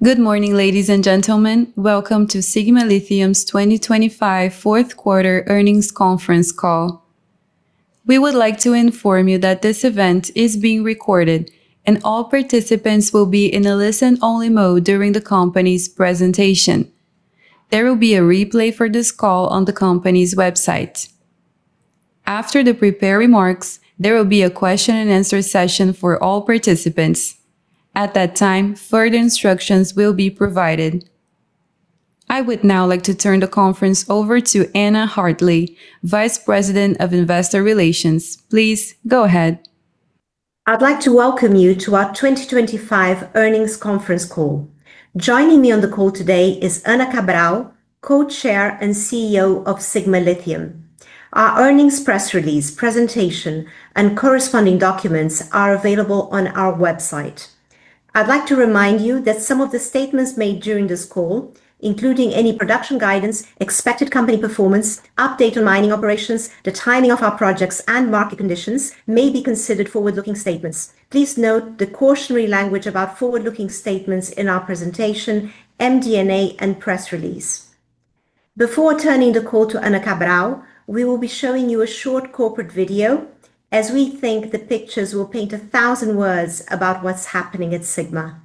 Good morning, ladies and gentlemen. Welcome to Sigma Lithium's 2025 fourth-quarter earnings conference call. We would like to inform you that this event is being recorded, and all participants will be in a listen-only mode during the company's presentation. There will be a replay for this call on the company's website. After the prepared remarks, there will be a question-and-answer session for all participants. At that time, further instructions will be provided. I would now like to turn the conference over to Anna Hartley, Vice President of Investor Relations. Please go ahead. I'd like to welcome you to our 2025 earnings conference call. Joining me on the call today is Ana Cabral, Co-Chair and CEO of Sigma Lithium. Our earnings press release, presentation, and corresponding documents are available on our website. I'd like to remind you that some of the statements made during this call, including any production guidance, expected company performance, update on mining operations, the timing of our projects, and market conditions, may be considered forward-looking statements. Please note the cautionary language about forward-looking statements in our presentation, MD&A, and press release. Before turning the call to Ana Cabral, we will be showing you a short corporate video, as we think the pictures will paint a thousand words about what's happening at Sigma.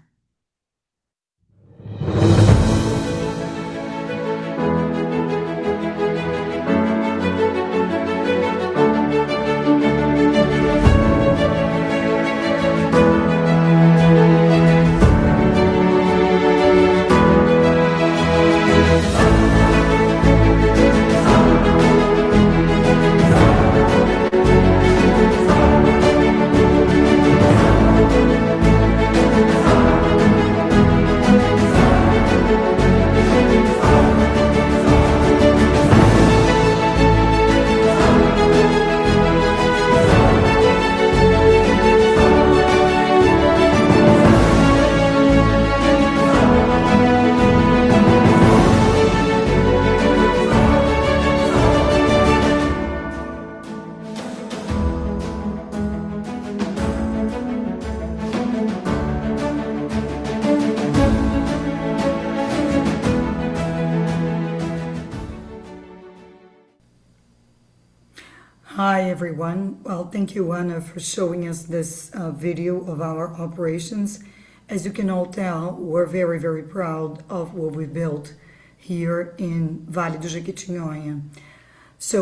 Hi, everyone. Well, thank you, Anna, for showing us this video of our operations. As you can all tell, we're very proud of what we've built here in Vale do Jequitinhonha.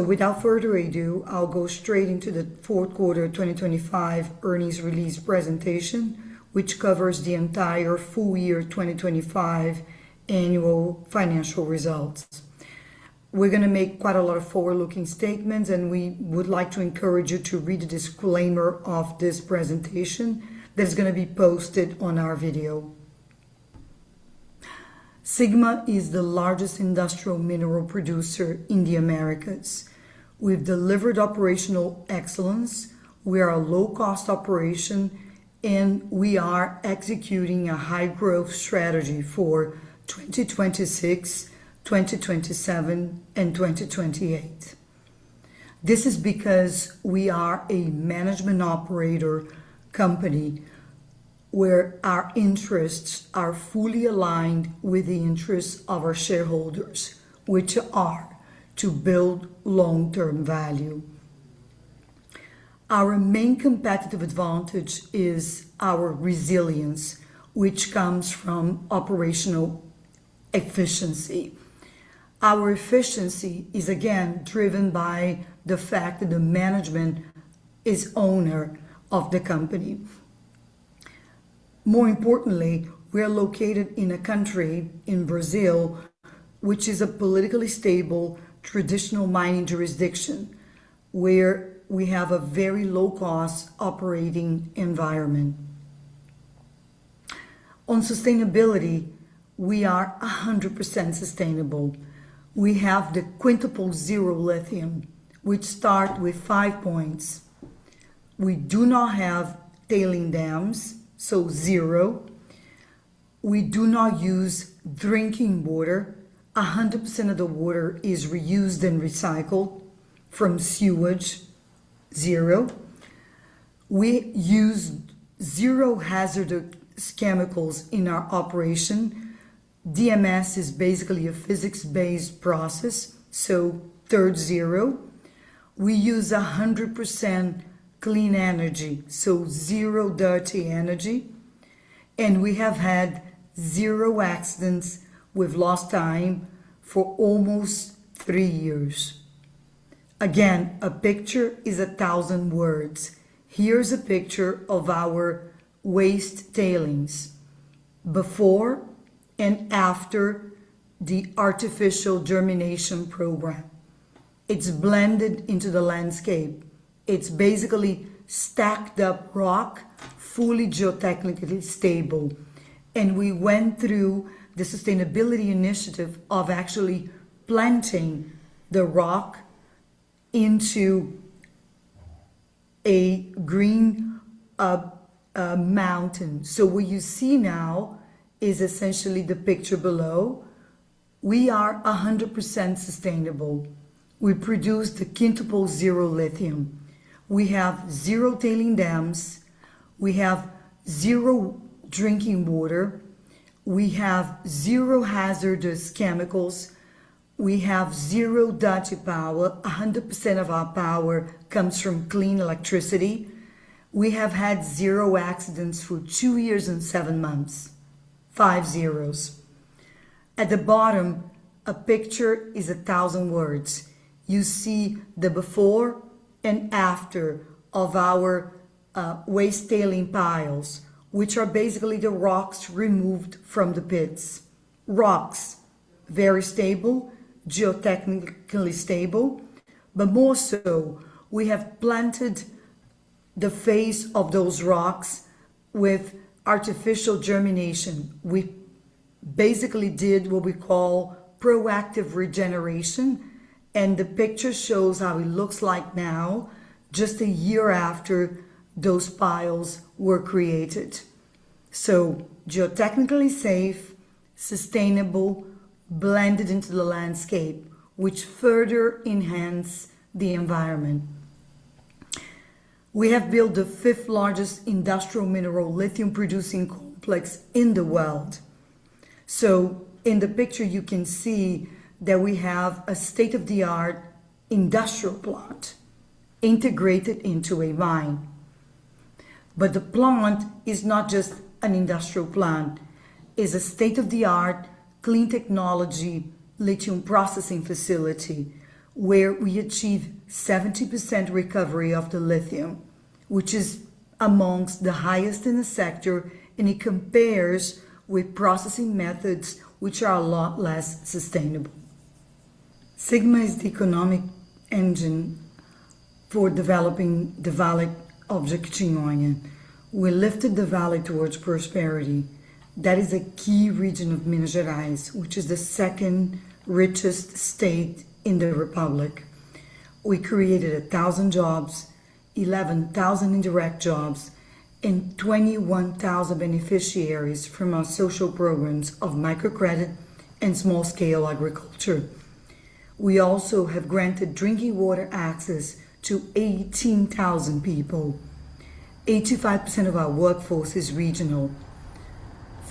Without further ado, I'll go straight into the fourth quarter 2025 earnings release presentation, which covers the entire full-year 2025 annual financial results. We're gonna make quite a lot of forward-looking statements, and we would like to encourage you to read the disclaimer of this presentation that's gonna be posted on our video. Sigma is the largest industrial mineral producer in the Americas. We've delivered operational excellence. We are a low-cost operation, and we are executing a high-growth strategy for 2026, 2027, and 2028. This is because we are a management operator company, where our interests are fully aligned with the interests of our shareholders, which are to build long-term value. Our main competitive advantage is our resilience, which comes from operational efficiency. Our efficiency is, again, driven by the fact that the management is owner of the company. More importantly, we are located in a country, in Brazil, which is a politically stable, traditional mining jurisdiction, where we have a very low-cost operating environment. On sustainability, we are 100% sustainable. We have the Quintuple Zero Lithium, which start with five points. We do not have tailings dams, so zero. We do not use drinking water. 100% of the water is reused and recycled from sewage. Zero. We use zero hazardous chemicals in our operation. DMS is basically a physics-based process, so third zero. We use 100% clean energy, so zero dirty energy. We have had zero accidents with lost time for almost three years. Again, a picture is 1,000 words. Here's a picture of our waste tailings before and after the artificial germination program. It's blended into the landscape. It's basically stacked-up rock, fully geotechnically stable. We went through the sustainability initiative of actually planting the rock into a green mountain. What you see now is essentially the picture below. We are 100% sustainable. We produce the Quintuple Zero Lithium. We have zero tailing dams. We have zero drinking water. We have zero hazardous chemicals. We have zero dirty power. 100% of our power comes from clean electricity. We have had zero accidents for two years and seven months. Five zeros. At the bottom, a picture is 1,000 words. You see the before and after of our waste tailings piles, which are basically the rocks removed from the pits. Rocks, very stable, geotechnically stable. More so, we have planted the face of those rocks with artificial germination. We basically did what we call proactive regeneration, and the picture shows how it looks like now, just a year after those piles were created. Geotechnically safe, sustainable, blended into the landscape, which further enhance the environment. We have built the fifth-largest industrial mineral lithium-producing complex in the world. In the picture, you can see that we have a state-of-the-art industrial plant integrated into a mine. The plant is not just an industrial plant. It's a state-of-the-art clean technology lithium processing facility where we achieve 70% recovery of the lithium, which is among the highest in the sector, and it compares with processing methods which are a lot less sustainable. Sigma is the economic engine for developing the Valley of Jequitinhonha. We lifted the valley towards prosperity. That is a key region of Minas Gerais, which is the second richest state in the republic. We created 1,000 jobs, 11,000 indirect jobs, and 21,000 beneficiaries from our social programs of microcredit and small-scale agriculture. We also have granted drinking water access to 18,000 people. 85% of our workforce is regional.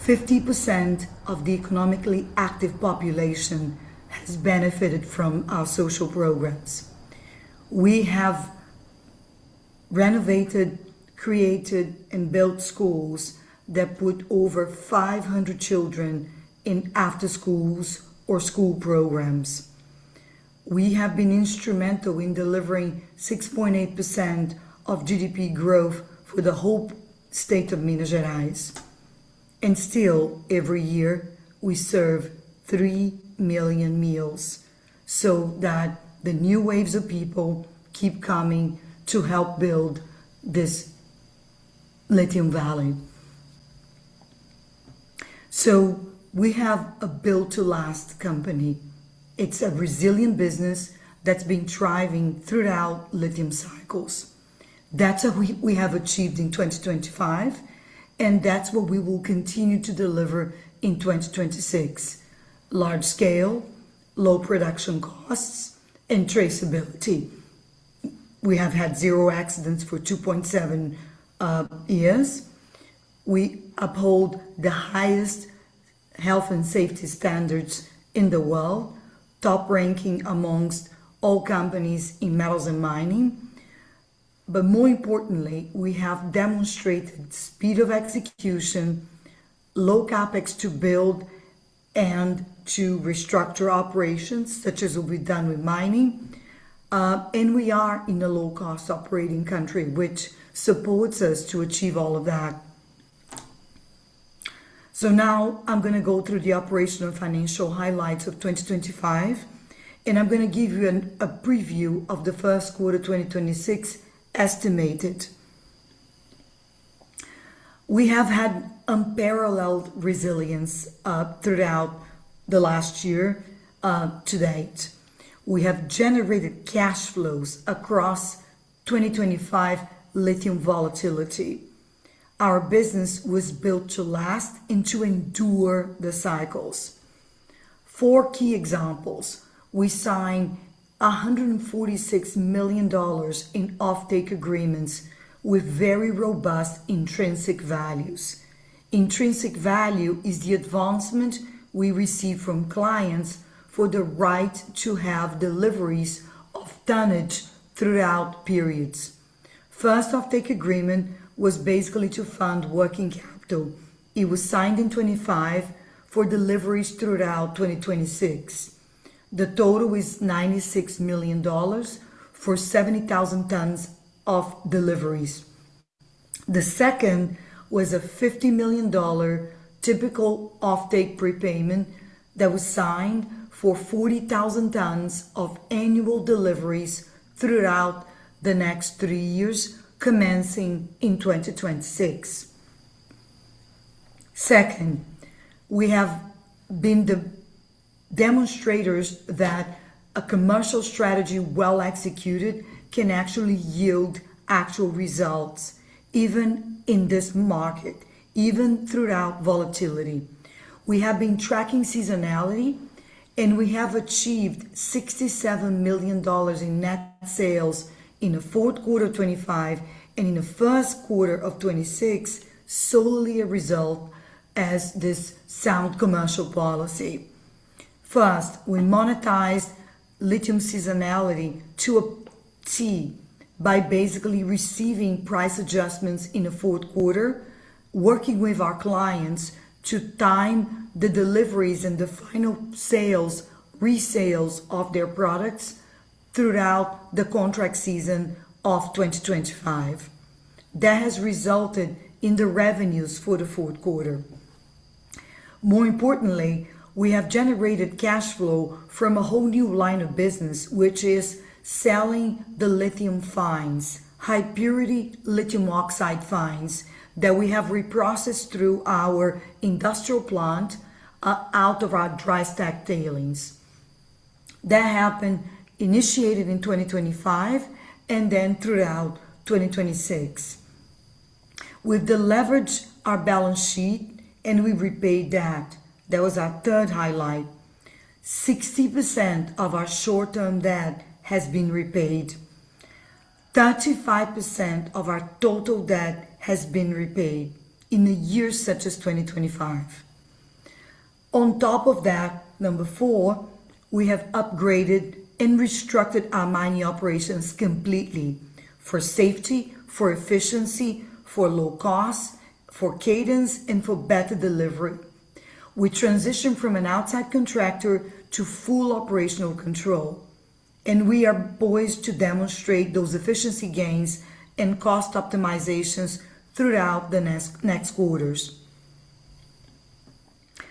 50% of the economically active population has benefited from our social programs. We have renovated, created, and built schools that put over 500 children in after-schools or school programs. We have been instrumental in delivering 6.8% of GDP growth for the whole state of Minas Gerais. Still, every year, we serve three million meals so that the new waves of people keep coming to help build this Lithium Valley. We have a build-to-last company. It's a resilient business that's been thriving throughout lithium cycles. That's what we have achieved in 2025, and that's what we will continue to deliver in 2026. Large scale, low production costs, and traceability. We have had zero accidents for 2.7 years. We uphold the highest health and safety standards in the world, top ranking amongst all companies in metals and mining. More importantly, we have demonstrated speed of execution, low CapEx to build and to restructure operations, such as will be done with mining. We are in a low-cost operating country, which supports us to achieve all of that. Now I'm gonna go through the operational and financial highlights of 2025, and I'm gonna give you a preview of the first quarter 2026 estimated. We have had unparalleled resilience throughout the last year to date. We have generated cash flows across 2025 lithium volatility. Our business was built to last and to endure the cycles. Four key examples. We signed $146 million in offtake agreements with very robust intrinsic values. Intrinsic value is the advancement we receive from clients for the right to have deliveries of tonnage throughout periods. First offtake agreement was basically to fund working capital. It was signed in 2025 for deliveries throughout 2026. The total is $96 million for 70,000 tons of deliveries. The second was a $50 million typical offtake prepayment that was signed for 40,000 tons of annual deliveries throughout the next three years, commencing in 2026. Second, we have demonstrated that a commercial strategy well executed can actually yield actual results, even in this market, even throughout volatility. We have been tracking seasonality, and we have achieved $67 million in net sales in the fourth quarter of 2025 and in the first quarter of 2026, solely as a result of this sound commercial policy. First, we monetized lithium seasonality to a T by basically receiving price adjustments in the fourth quarter, working with our clients to time the deliveries and the final sales, resales of their products throughout the contract season of 2025. That has resulted in the revenues for the fourth quarter. More importantly, we have generated cash flow from a whole new line of business, which is selling the lithium fines, high-purity lithium oxide fines that we have reprocessed through our industrial plant out of our dry stack tailings. That happened, initiated in 2025 and then throughout 2026. We've deleveraged our balance sheet and we repaid debt. That was our third highlight. 60% of our short-term debt has been repaid. 35% of our total debt has been repaid in a year such as 2025. On top of that, number four, we have upgraded and restructured our mining operations completely for safety, for efficiency, for low cost, for cadence, and for better delivery. We transitioned from an outside contractor to full operational control, and we are poised to demonstrate those efficiency gains and cost optimizations throughout the next quarters.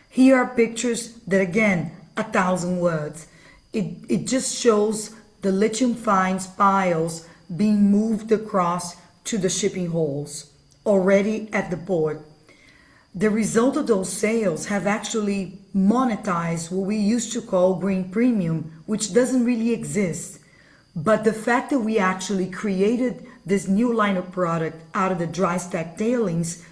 Here are pictures that, again, a thousand words. It just shows the lithium fines piles being moved across to the shipping holes already at the port. The result of those sales have actually monetized what we used to call green premium, which doesn't really exist. The fact that we actually created this new line of product out of the dry stack tailings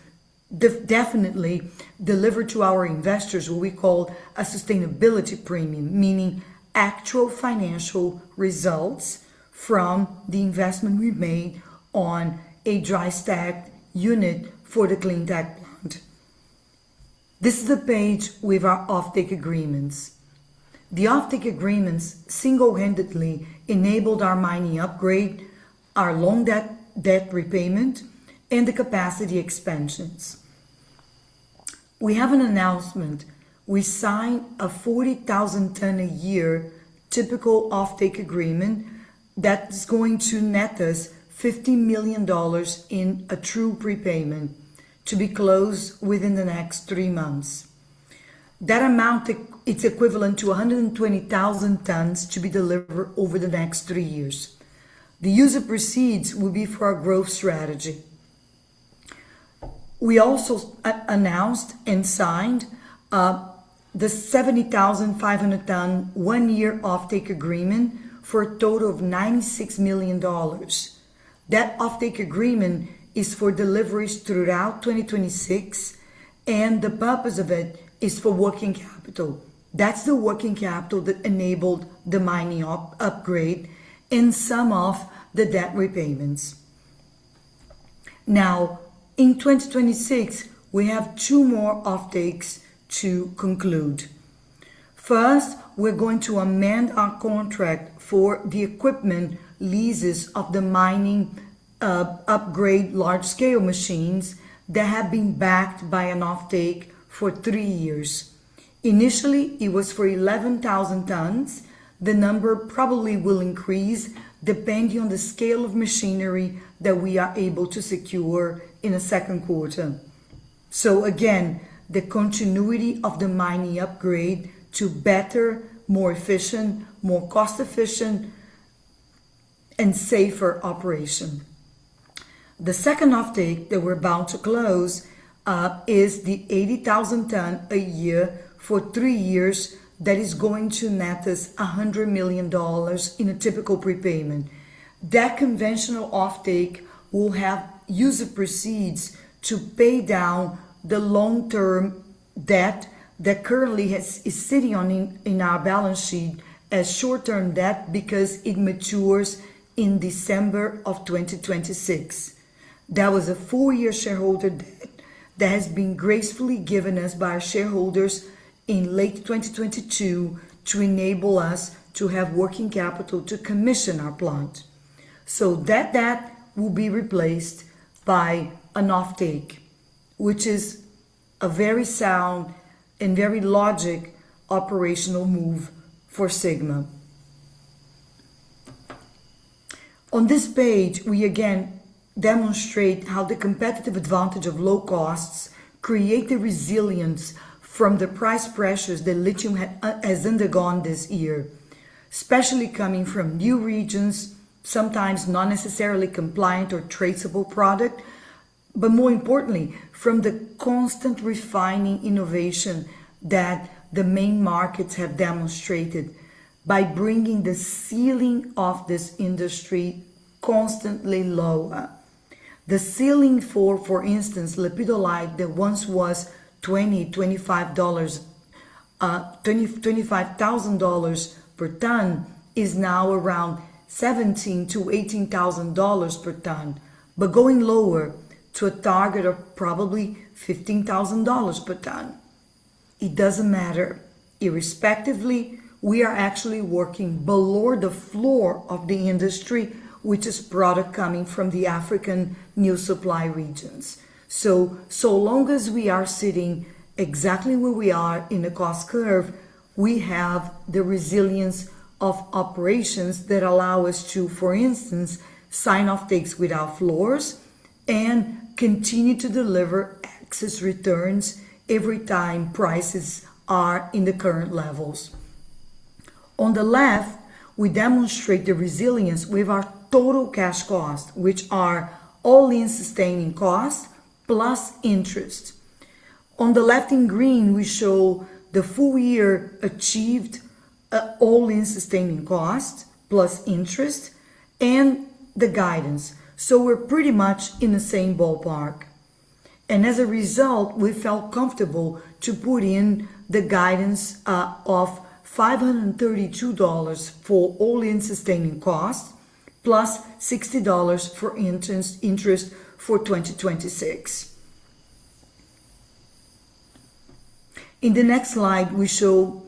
definitely delivered to our investors what we call a sustainability premium, meaning actual financial results from the investment we made on a dry stack unit for the clean tech plant. This is a page with our offtake agreements. The offtake agreements single-handedly enabled our mining upgrade, our long debt repayment, and the capacity expansions. We have an announcement. We signed a 40,000-ton a-year typical offtake agreement that is going to net us $50 million in a true prepayment to be closed within the next three months. That amount is equivalent to 120,000 tons to be delivered over the next three years. The use of proceeds will be for our growth strategy. We also announced and signed the 70,500-ton one-year offtake agreement for a total of $96 million. That offtake agreement is for deliveries throughout 2026, and the purpose of it is for working capital. That's the working capital that enabled the mining upgrade and some of the debt repayments. Now, in 2026, we have two more offtakes to conclude. First, we're going to amend our contract for the equipment leases of the mining upgrade large-scale machines that have been backed by an offtake for three years. Initially, it was for 11,000 tons. The number probably will increase depending on the scale of machinery that we are able to secure in the second quarter. Again, the continuity of the mining upgrade to better, more efficient, more cost-efficient, and safer operation. The second offtake that we're about to close is the 80,000 tons a year for three years that is going to net us $100 million in a typical prepayment. That conventional offtake will have use of proceeds to pay down the long-term debt that currently is sitting on our balance sheet as short-term debt because it matures in December of 2026. That was a four-year shareholder debt that has been gracefully given us by our shareholders in late 2022 to enable us to have working capital to commission our plant. That debt will be replaced by an offtake, which is a very sound and very logical operational move for Sigma. On this page, we again demonstrate how the competitive advantage of low costs create the resilience from the price pressures that lithium has undergone this year, especially coming from new regions, sometimes not necessarily compliant or traceable product. More importantly, from the constant refining innovation that the main markets have demonstrated by bringing the ceiling of this industry constantly lower. The ceiling for lepidolite, for instance, that once was $25,000 per ton is now around $17,000-$18,000 per ton. Going lower to a target of probably $15,000 per ton. It doesn't matter. Irrespectively, we are actually working below the floor of the industry, which is product coming from the African new supply regions. Long as we are sitting exactly where we are in the cost curve, we have the resilience of operations that allow us to, for instance, sign offtakes without floors and continue to deliver excess returns every time prices are in the current levels. On the left, we demonstrate the resilience with our total cash costs, which are all-in sustaining costs plus interest. On the left in green, we show the full-year achieved, all-in sustaining costs plus interest and the guidance. We're pretty much in the same ballpark. As a result, we felt comfortable to put in the guidance of $532 for all-in sustaining costs plus $60 for interest for 2026. In the next slide, we show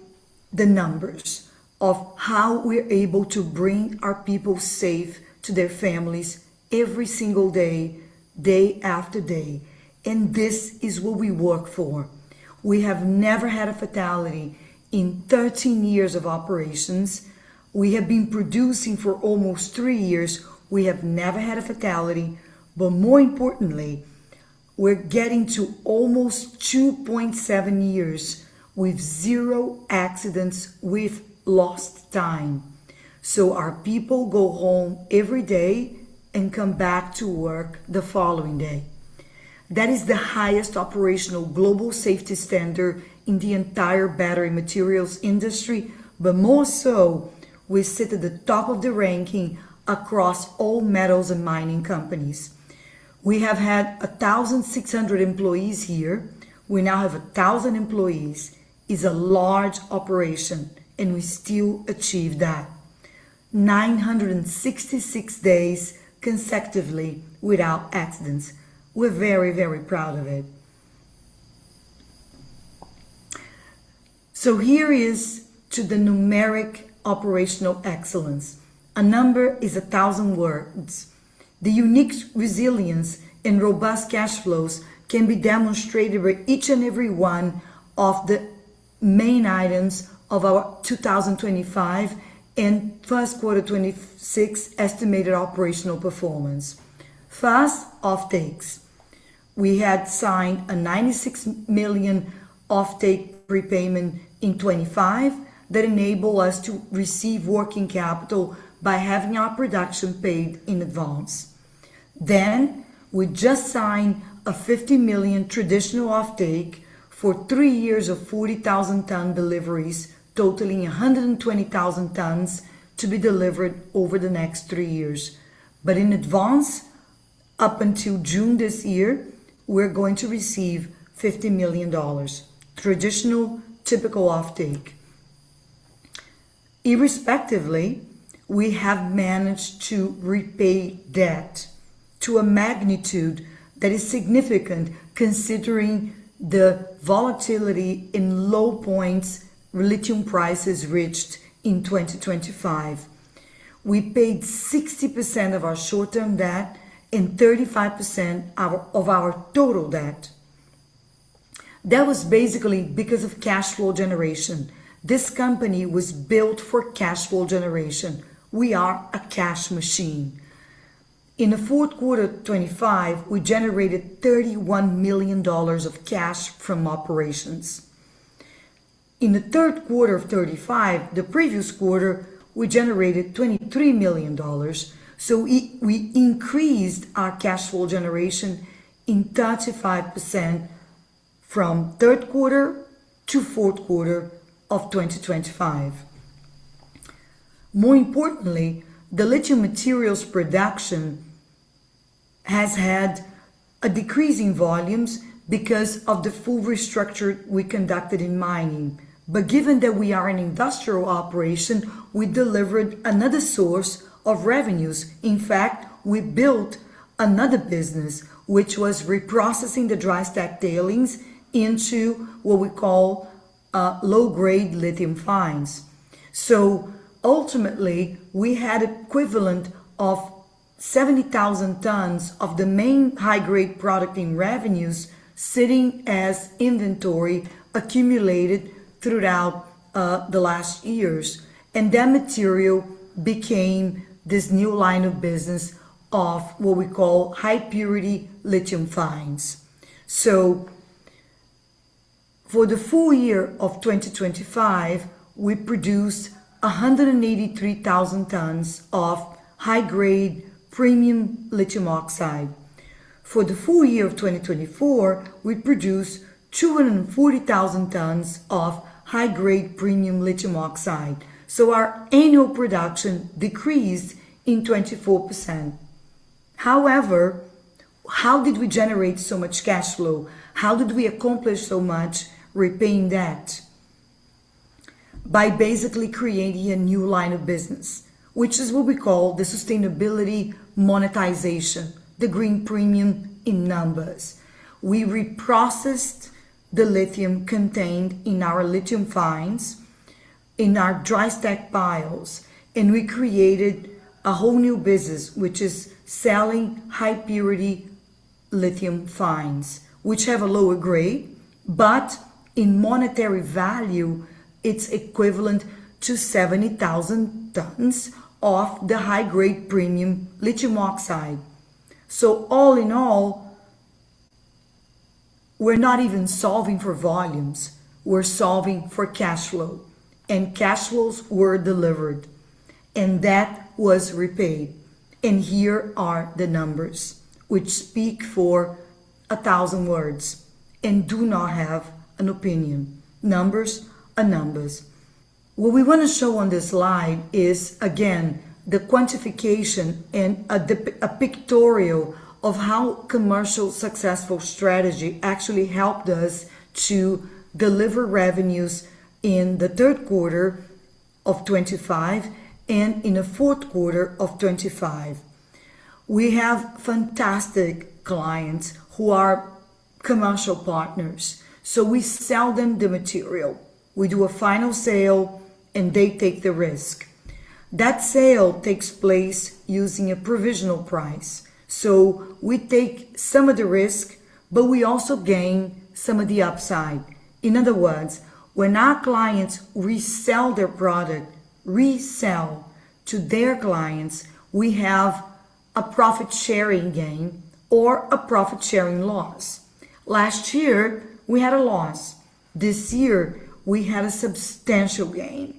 the numbers of how we're able to bring our people safe to their families every single day after day. This is what we work for. We have never had a fatality in 13 years of operations. We have been producing for almost three years. We have never had a fatality. More importantly, we're getting to almost 2.7 years with zero accidents with lost time. Our people go home every day and come back to work the following day. That is the highest operational global safety standard in the entire battery materials industry. More so, we sit at the top of the ranking across all metals and mining companies. We have had 1,600 employees here. We now have 1,000 employees. It's a large operation, and we still achieve 966 days consecutively without accidents. We're very, very proud of it. Here is to the numeric operational excellence. A number is a thousand words. The unique resilience and robust cash flows can be demonstrated with each and every one of the main items of our 2025 and first-quarter 2026 estimated operational performance. First, offtakes. We had signed a $96 million offtake prepayment in 2025 that enable us to receive working capital by having our production paid in advance. We just signed a $50 million traditional offtake for three years of 40,000-ton deliveries totaling 120,000 tons to be delivered over the next three years. In advance, up until June this year, we're going to receive $50 million, traditional typical offtake. Irrespectively, we have managed to repay debt to a magnitude that is significant considering the volatility in low points lithium prices reached in 2025. We paid 60% of our short-term debt and 35% of our total debt. That was basically because of cash flow generation. This company was built for cash flow generation. We are a cash machine. In the fourth quarter 2025, we generated $31 million of cash from operations. In the third quarter of 2025, the previous quarter, we generated $23 million. We increased our cash flow generation in 35% from third quarter to fourth quarter of 2025. More importantly, the lithium materials production has had a decrease in volumes because of the full restructure we conducted in mining. Given that we are an industrial operation, we delivered another source of revenues. In fact, we built another business which was reprocessing the dry stack tailings into what we call low-grade lithium fines. Ultimately, we had equivalent of 70,000 tons of the main high-grade product in revenues sitting as inventory accumulated throughout the last years. That material became this new line of business of what we call high-purity lithium fines. For the full-year of 2025, we produced 183,000 tons of high-grade premium lithium oxide. For the full-year of 2024, we produced 240,000 tons of high-grade premium lithium oxide. Our annual production decreased in 24%. However, how did we generate so much cash flow? How did we accomplish so much repaying debt? By basically creating a new line of business, which is what we call the sustainability monetization, the green premium in numbers. We reprocessed the lithium contained in our lithium fines in our dry stack piles, and we created a whole new business, which is selling high purity lithium fines, which have a lower grade, but in monetary value, it's equivalent to 70,000 tons of the high-grade premium lithium oxide. All in all, we're not even solving for volumes, we're solving for cash flow. Cash flows were delivered, and debt was repaid. Here are the numbers which speak for a thousand words and do not have an opinion. Numbers are numbers. What we wanna show on this slide is again, the quantification and a pictorial of how commercially successful strategy actually helped us to deliver revenues in the third quarter of 2025 and in the fourth quarter of 2025. We have fantastic clients who are commercial partners, so we sell them the material. We do a final sale, and they take the risk. That sale takes place using a provisional price. We take some of the risk, but we also gain some of the upside. In other words, when our clients resell their product, resell to their clients, we have a profit-sharing gain or a profit-sharing loss. Last year, we had a loss. This year, we had a substantial gain.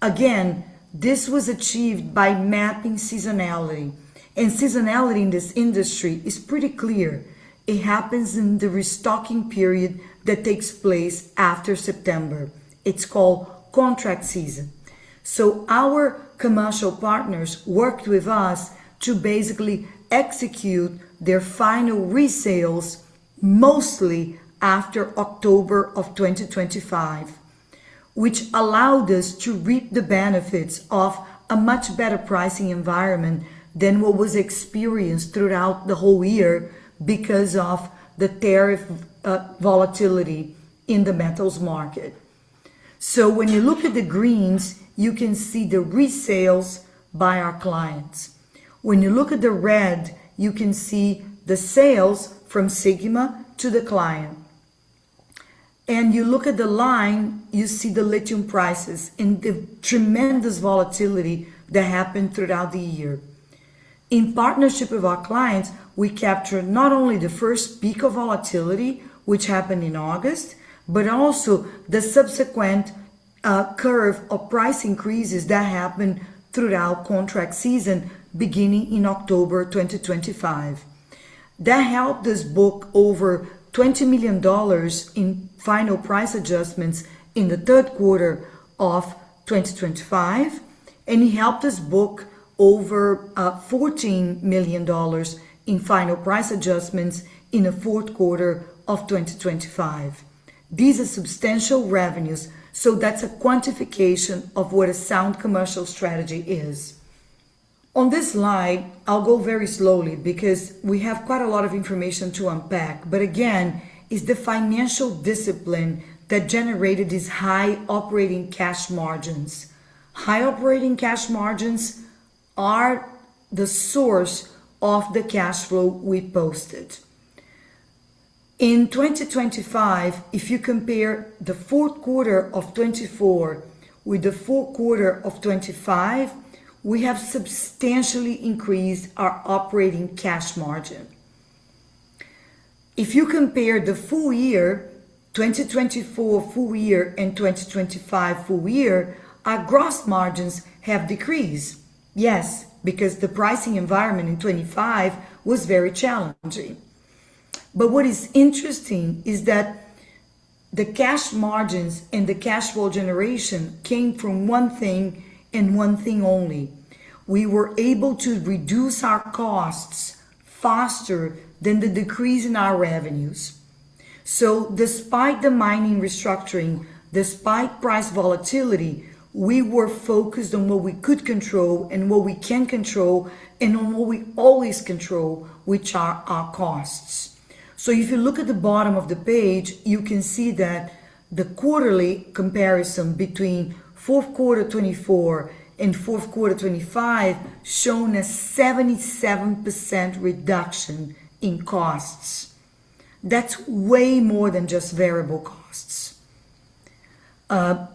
Again, this was achieved by mapping seasonality. Seasonality in this industry is pretty clear. It happens in the restocking period that takes place after September. It's called contract season. Our commercial partners worked with us to basically execute their final resales mostly after October of 2025, which allowed us to reap the benefits of a much better pricing environment than what was experienced throughout the whole year because of the tariff volatility in the metals market. When you look at the greens, you can see the resales by our clients. When you look at the red, you can see the sales from Sigma to the client. You look at the line, you see the lithium prices and the tremendous volatility that happened throughout the year. In partnership with our clients, we captured not only the first peak of volatility, which happened in August, but also the subsequent curve of price increases that happened throughout contract season, beginning in October 2025. That helped us book over $20 million in final price adjustments in the third quarter of 2025, and it helped us book over $14 million in final price adjustments in the fourth quarter of 2025. These are substantial revenues, so that's a quantification of what a sound commercial strategy is. On this slide, I'll go very slowly because we have quite a lot of information to unpack. Again, it's the financial discipline that generated these high operating cash margins. High operating cash margins are the source of the cash flow we posted. In 2025, if you compare the fourth quarter of 2024 with the fourth quarter of 2025, we have substantially increased our operating cash margin. If you compare the full-year 2024 full-year and 2025 full-year, our gross margins have decreased. Yes, because the pricing environment in 2025 was very challenging. What is interesting is that the cash margins and the cash flow generation came from one thing and one thing only. We were able to reduce our costs faster than the decrease in our revenues. Despite the mining restructuring, despite price volatility, we were focused on what we could control and what we can control and on what we always control, which are our costs. If you look at the bottom of the page, you can see that the quarterly comparison between fourth quarter 2024 and fourth quarter 2025 shows a 77% reduction in costs. That's way more than just variable costs.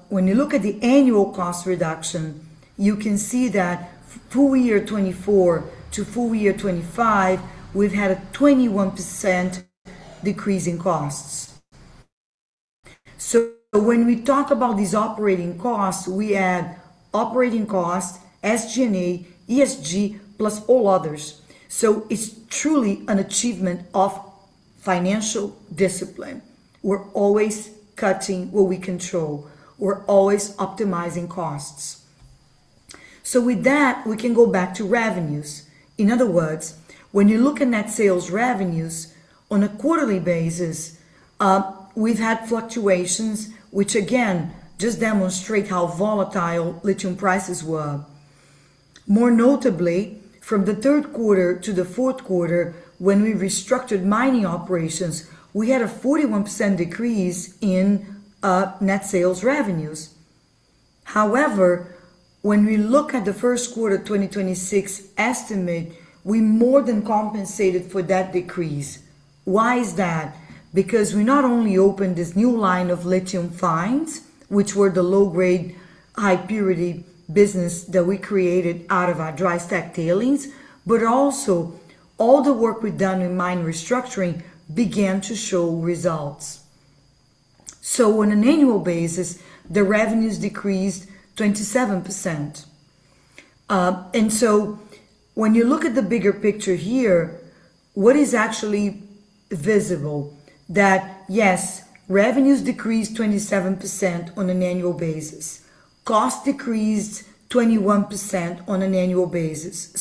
When you look at the annual cost reduction, you can see that full-year 2024 to full-year 2025, we've had a 21% decrease in costs. When we talk about these operating costs, we add operating costs, SG&A, ESG, plus all others. It's truly an achievement of financial discipline. We're always cutting what we control. We're always optimizing costs. With that, we can go back to revenues. In other words, when you look at net sales revenues on a quarterly basis, we've had fluctuations, which again, just demonstrate how volatile lithium prices were. More notably, from the third quarter to the fourth quarter, when we restructured mining operations, we had a 41% decrease in net sales revenues. However, when we look at the first quarter 2026 estimate, we more than compensated for that decrease. Why is that? Because we not only opened this new line of lithium fines, which were the low-grade, high-purity business that we created out of our dry stack tailings, but also all the work we've done in mine restructuring began to show results. So on an annual basis, the revenues decreased 27%. When you look at the bigger picture here, what is actually visible? That yes, revenues decreased 27% on an annual basis. Costs decreased 21% on an annual basis.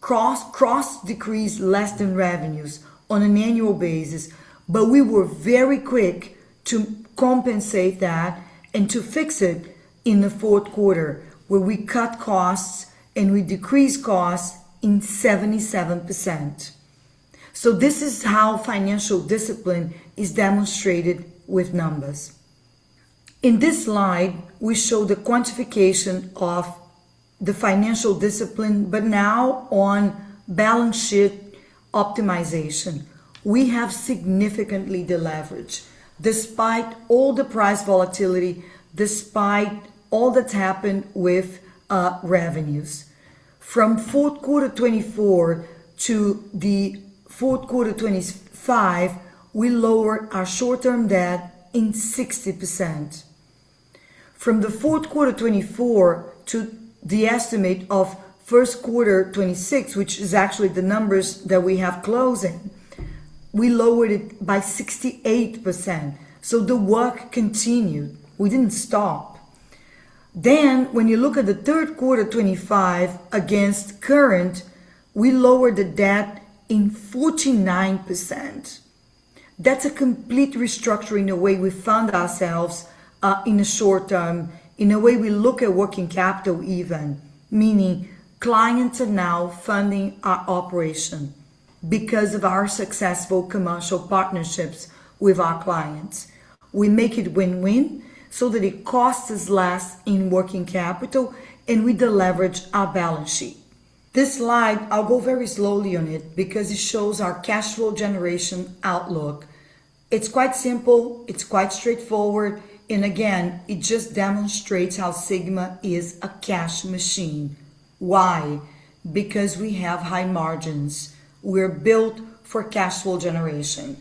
Costs decreased less than revenues on an annual basis, but we were very quick to compensate that and to fix it in the fourth quarter, where we cut costs and we decreased costs by 77%. This is how financial discipline is demonstrated with numbers. In this slide, we show the quantification of the financial discipline, but now on balance sheet optimization. We have significantly deleveraged despite all the price volatility, despite all that's happened with revenues. From fourth quarter 2024 to the fourth quarter 2025, we lowered our short-term debt by 60%. From the fourth quarter 2024 to the estimate of first quarter 2026, which is actually the numbers that we have closing, we lowered it by 68%. The work continued. We didn't stop. When you look at the third quarter 2025 against current, we lowered the debt by 49%. That's a complete restructuring the way we fund ourselves, in the short term, in the way we look at working capital even, meaning clients are now funding our operation because of our successful commercial partnerships with our clients. We make it win-win so that it costs us less in working capital and we deleverage our balance sheet. This slide, I'll go very slowly on it because it shows our cash flow generation outlook. It's quite simple. It's quite straightforward. Again, it just demonstrates how Sigma is a cash machine. Why? Because we have high margins. We're built for cash flow generation.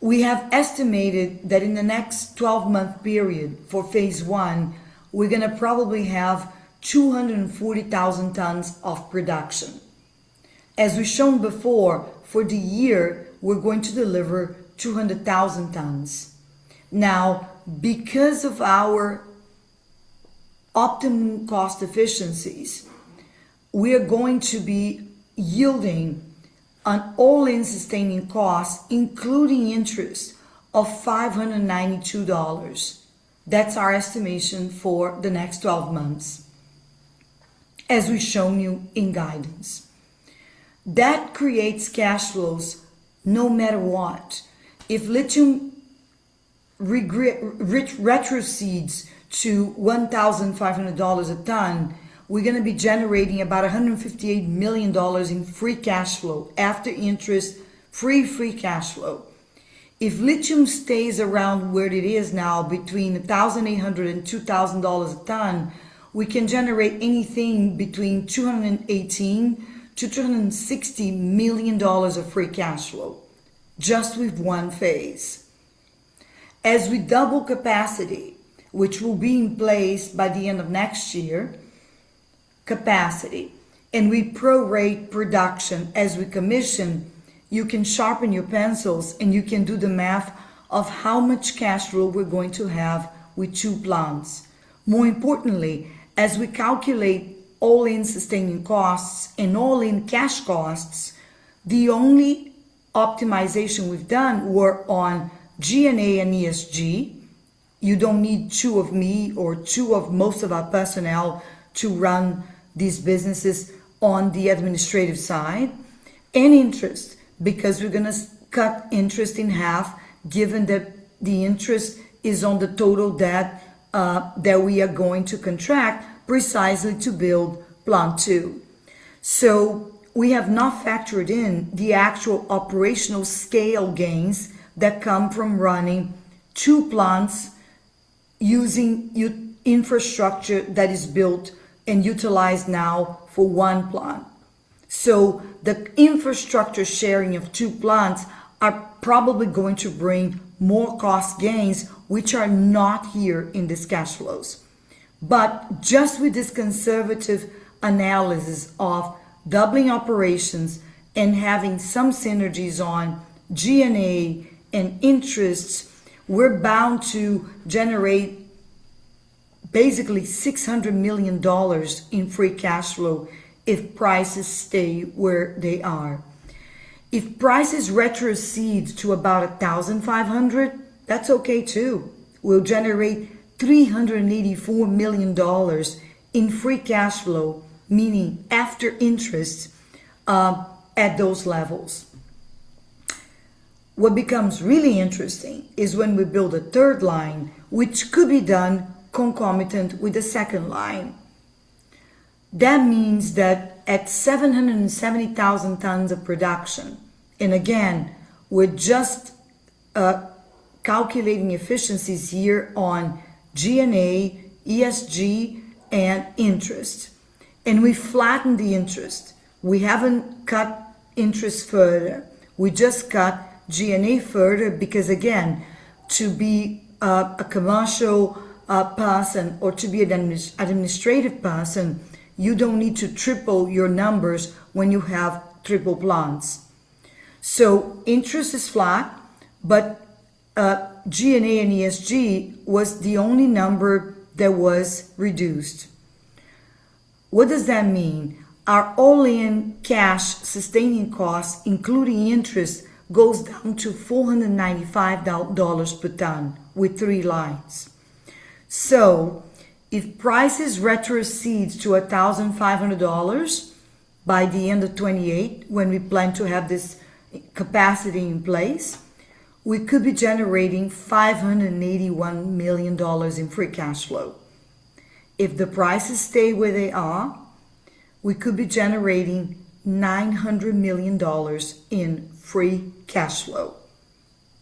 We have estimated that in the next 12-month period for phase I, we're going to probably have 240,000 tons of production. As we've shown before, for the year, we're going to deliver 200,000 tons. Now, because of our optimum cost efficiencies, we are going to be yielding an all-in sustaining cost, including interest, of $592. That's our estimation for the next 12 months, as we've shown you in guidance. That creates cash flows no matter what. If lithium retrocedes to $1,500 a ton, we're going to be generating about $158 million in free cash flow after interest, free cash flow. If lithium stays around where it is now, between $1,800 and $2,000 a ton, we can generate anything between $218 million and $260 million of free cash flow just with one phase. As we double capacity, which will be in place by the end of next year, and we prorate production as we commission, you can sharpen your pencils and you can do the math of how much cash flow we're going to have with two plants. More importantly, as we calculate all-in sustaining costs and all-in cash costs, the only optimization we've done were on G&A and ESG. You don't need two of me or two of most of our personnel to run these businesses on the administrative side and interest because we're going to cut interest in half given that the interest is on the total debt that we are going to contract precisely to build Plant 2. We have not factored in the actual operational scale gains that come from running two plants using infrastructure that is built and utilized now for one plant. The infrastructure sharing of two plants are probably going to bring more cost gains, which are not here in these cash flows. Just with this conservative analysis of doubling operations and having some synergies on G&A and interests, we're bound to generate basically $600 million in free cash flow if prices stay where they are. If prices retrocede to about 1,500, that's okay too. We'll generate $384 million in free cash flow, meaning after interest at those levels. What becomes really interesting is when we build a third line, which could be done concomitant with the second line. That means that at 770,000 tons of production, and again, we're just calculating efficiencies here on G&A, ESG, and interest. We flattened the interest. We haven't cut interest further. We just cut G&A further because again, to be a commercial person or to be an administrative person, you don't need to triple your numbers when you have triple plants. Interest is flat, but G&A and ESG was the only number that was reduced. What does that mean? Our all-in sustaining costs, including interest, goes down to $495 per ton with three lines. If prices retrocede to $1,500 by the end of 2028, when we plan to have this capacity in place, we could be generating $581 million in free cash flow. If the prices stay where they are, we could be generating $900 million in free cash flow.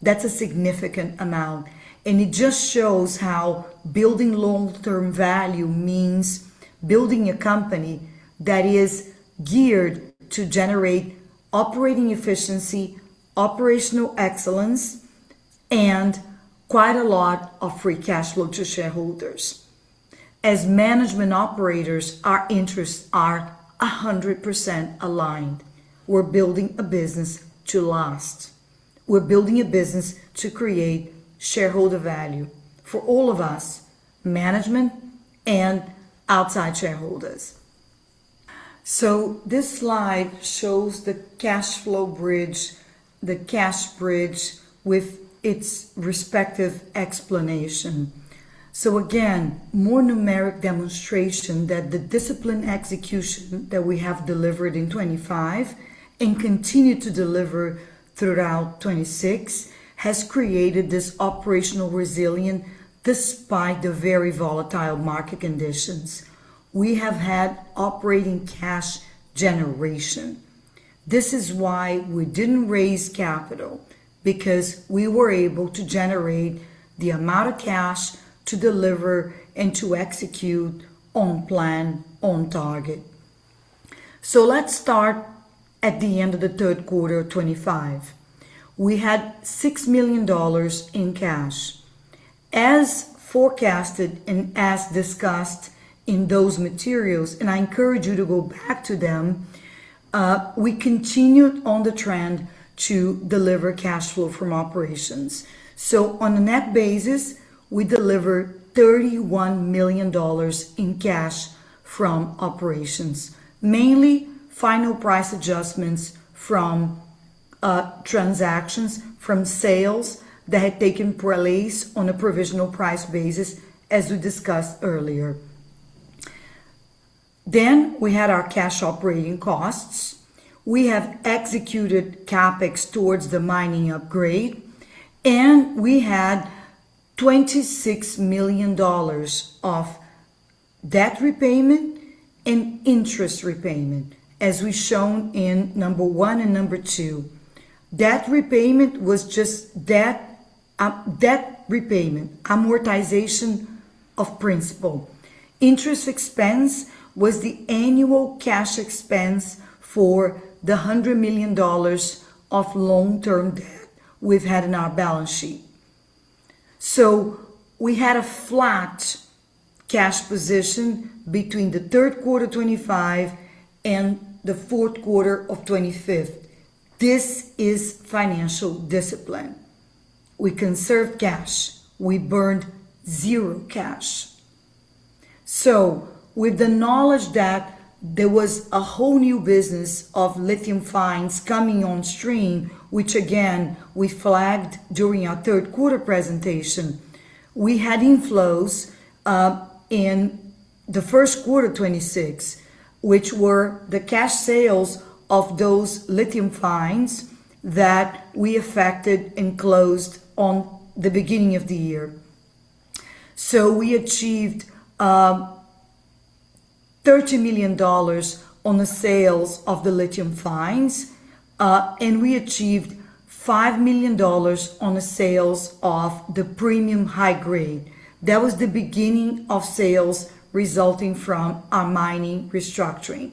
That's a significant amount, and it just shows how building long-term value means building a company that is geared to generate operating efficiency, operational excellence, and quite a lot of free cash flow to shareholders. As management operators, our interests are 100% aligned. We're building a business to last. We're building a business to create shareholder value for all of us, management and outside shareholders. This slide shows the cash flow bridge, the cash bridge with its respective explanation. Again, more numeric demonstration that the disciplined execution that we have delivered in 2025 and continue to deliver throughout 2026 has created this operational resilience despite the very volatile market conditions. We have had operating cash generation. This is why we didn't raise capital, because we were able to generate the amount of cash to deliver and to execute on plan, on target. Let's start at the end of the third quarter of 2025. We had $6 million in cash. As forecasted and as discussed in those materials, and I encourage you to go back to them, we continued on the trend to deliver cash flow from operations. On a net basis, we delivered $31 million in cash from operations, mainly final price adjustments from transactions from sales that had taken place on a provisional price basis, as we discussed earlier. We had our cash operating costs. We have executed CapEx towards the mining upgrade, and we had $26 million of debt repayment and interest repayment, as we've shown in number one and number two. Debt repayment was just debt repayment, amortization of principal. Interest expense was the annual cash expense for the $100 million of long-term debt we've had in our balance sheet. We had a flat cash position between the third quarter 2025 and the fourth quarter of 2025. This is financial discipline. We conserved cash. We burned zero cash. With the knowledge that there was a whole new business of lithium fines coming on stream, which again, we flagged during our third quarter presentation, we had inflows in the first quarter of 2026, which were the cash sales of those lithium fines that we effected and closed on the beginning of the year. We achieved $30 million on the sales of the lithium fines and we achieved $5 million on the sales of the premium high grade. That was the beginning of sales resulting from our mining restructuring.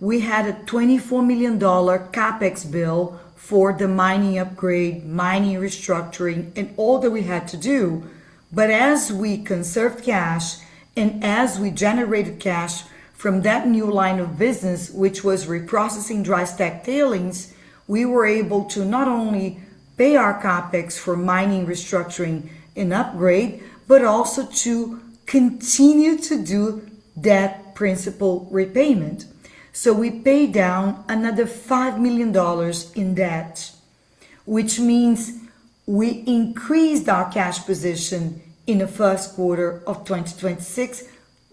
We had a $24 million CapEx bill for the mining upgrade, mining restructuring and all that we had to do. As we conserved cash and as we generated cash from that new line of business, which was reprocessing dry stack tailings, we were able to not only pay our CapEx for mining restructuring and upgrade, but also to continue to do debt principal repayment. We paid down another $5 million in debt, which means we increased our cash position in the first quarter of 2026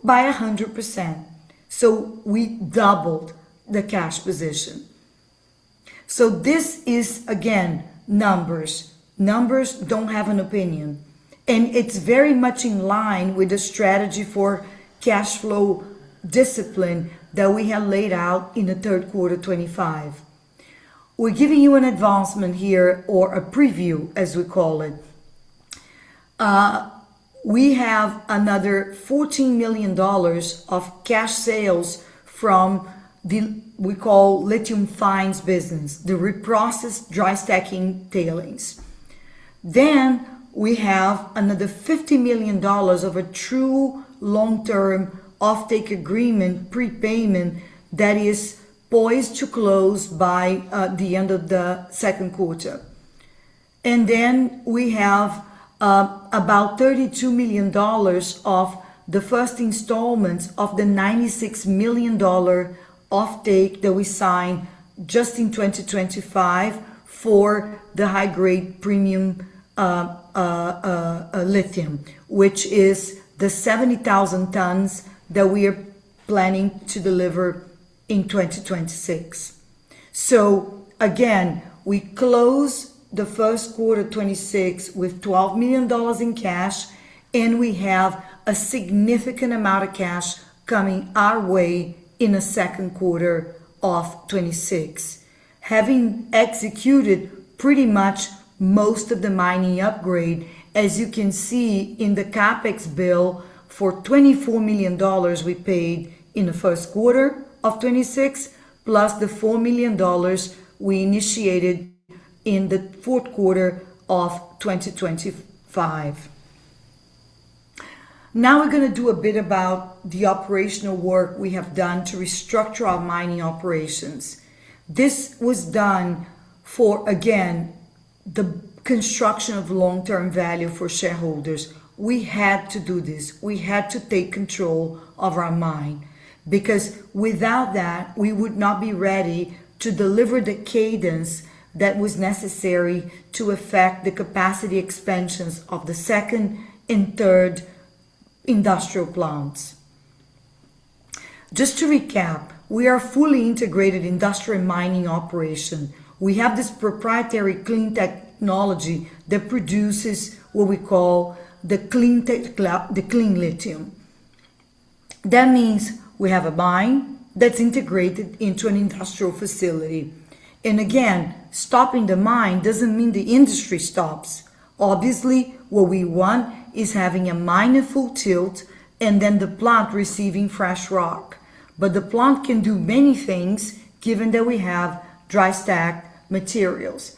by 100%. We doubled the cash position. This is again numbers. Numbers don't have an opinion, and it's very much in line with the strategy for cash flow discipline that we have laid out in the third quarter 2025. We're giving you an advancement here or a preview, as we call it. We have another $14 million of cash sales from the lithium fines business, the reprocessed dry stacking tailings. We have another $50 million of a true long-term offtake agreement prepayment that is poised to close by the end of the second quarter. We have about $32 million of the first installments of the $96 million offtake that we signed just in 2025 for the high-grade premium lithium, which is the 70,000 tons that we are planning to deliver in 2026. Again, we close the first quarter 2026 with $12 million in cash, and we have a significant amount of cash coming our way in the second quarter of 2026. Having executed pretty much most of the mining upgrade, as you can see in the CapEx bill for $24 million we paid in the first quarter of 2026, plus the $4 million we initiated in the fourth quarter of 2025. Now we're going to do a bit about the operational work we have done to restructure our mining operations. This was done for, again, the construction of long-term value for shareholders. We had to do this. We had to take control of our mine, because without that, we would not be ready to deliver the cadence that was necessary to affect the capacity expansions of the second and third industrial plants. Just to recap, we are a fully integrated industrial mining operation. We have this proprietary clean technology that produces what we call the clean tech, the clean lithium. That means we have a mine that's integrated into an industrial facility. Again, stopping the mine doesn't mean the industry stops. Obviously, what we want is having a mine at full tilt and then the plant receiving fresh rock. The plant can do many things given that we have dry stack materials.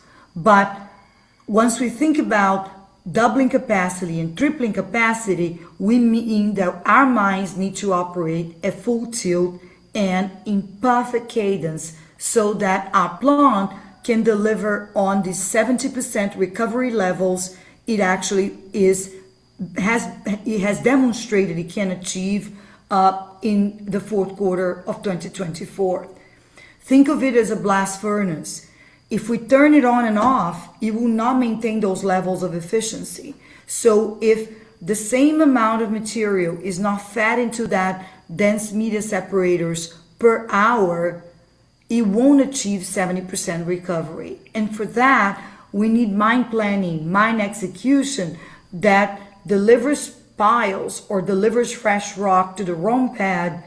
Once we think about doubling capacity and tripling capacity, meaning that our mines need to operate at full tilt and in perfect cadence so that our plant can deliver on the 70% recovery levels it actually has demonstrated it can achieve in the fourth quarter of 2024. Think of it as a blast furnace. If we turn it on and off, it will not maintain those levels of efficiency. If the same amount of material is not fed into that dense media separators per hour, it won't achieve 70% recovery. For that, we need mine planning, mine execution that delivers piles or delivers fresh rock to the ROM pad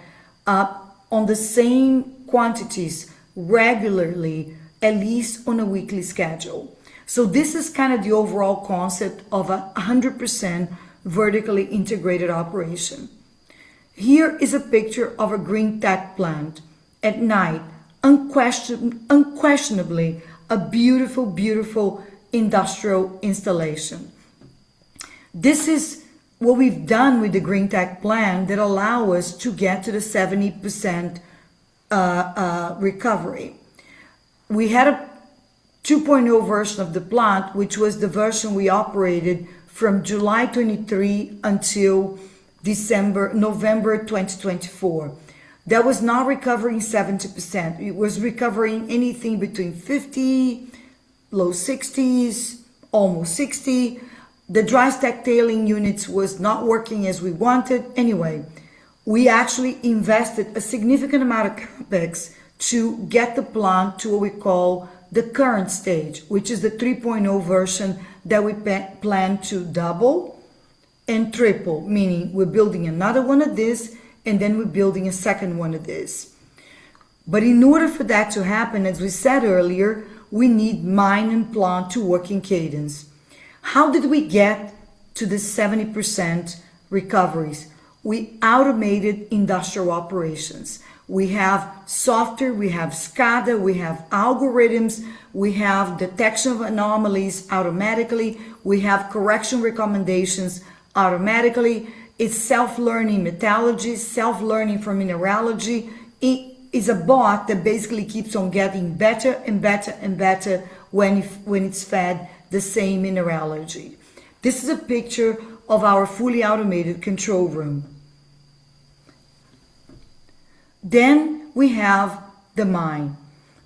on the same quantities regularly, at least on a weekly schedule. This is kind of the overall concept of a 100% vertically integrated operation. Here is a picture of a Greentech Plant at night. Unquestionably a beautiful industrial installation. This is what we've done with the Greentech Plant that allow us to get to the 70% recovery. We had a 2.0 version of the plant, which was the version we operated from July 2023 until December, November 2024. That was not recovering 70%. It was recovering anything between 50, low 60s, almost 60. The dry stack tailings units was not working as we wanted anyway. We actually invested a significant amount of CapEx to get the plant to what we call the current stage, which is the 3.0 version that we plan to double and triple, meaning we're building another one of this, and then we're building a second one of this. In order for that to happen, as we said earlier, we need mine and plant to work in cadence. How did we get to the 70% recoveries? We automated industrial operations. We have software. We have SCADA. We have algorithms. We have detection of anomalies automatically. We have correction recommendations automatically. It's self-learning metallurgy, self-learning from mineralogy. It's a bot that basically keeps on getting better and better and better when it's fed the same mineralogy. This is a picture of our fully automated control room. We have the mine.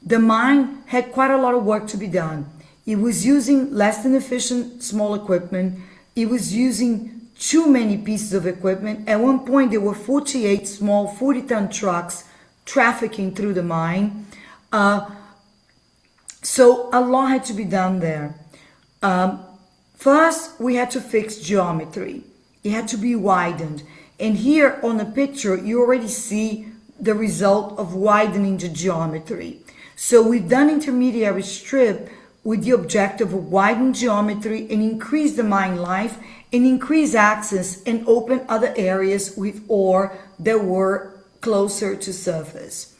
The mine had quite a lot of work to be done. It was using less than efficient small equipment. It was using too many pieces of equipment. At one point, there were 48 small 40-ton trucks trafficking through the mine. So a lot had to be done there. First, we had to fix geometry. It had to be widened. Here on the picture, you already see the result of widening the geometry. We've done intermediary strip with the objective of widening geometry and increase the mine life and increase access and open other areas with ore that were closer to surface.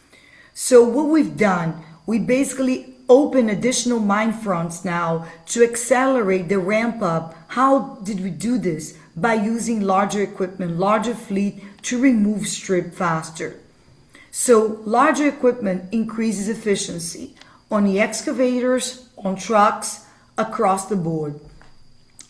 What we've done, we basically open additional mine fronts now to accelerate the ramp up. How did we do this? By using larger equipment, larger fleet to remove strip faster. Larger equipment increases efficiency on the excavators, on trucks, across the board.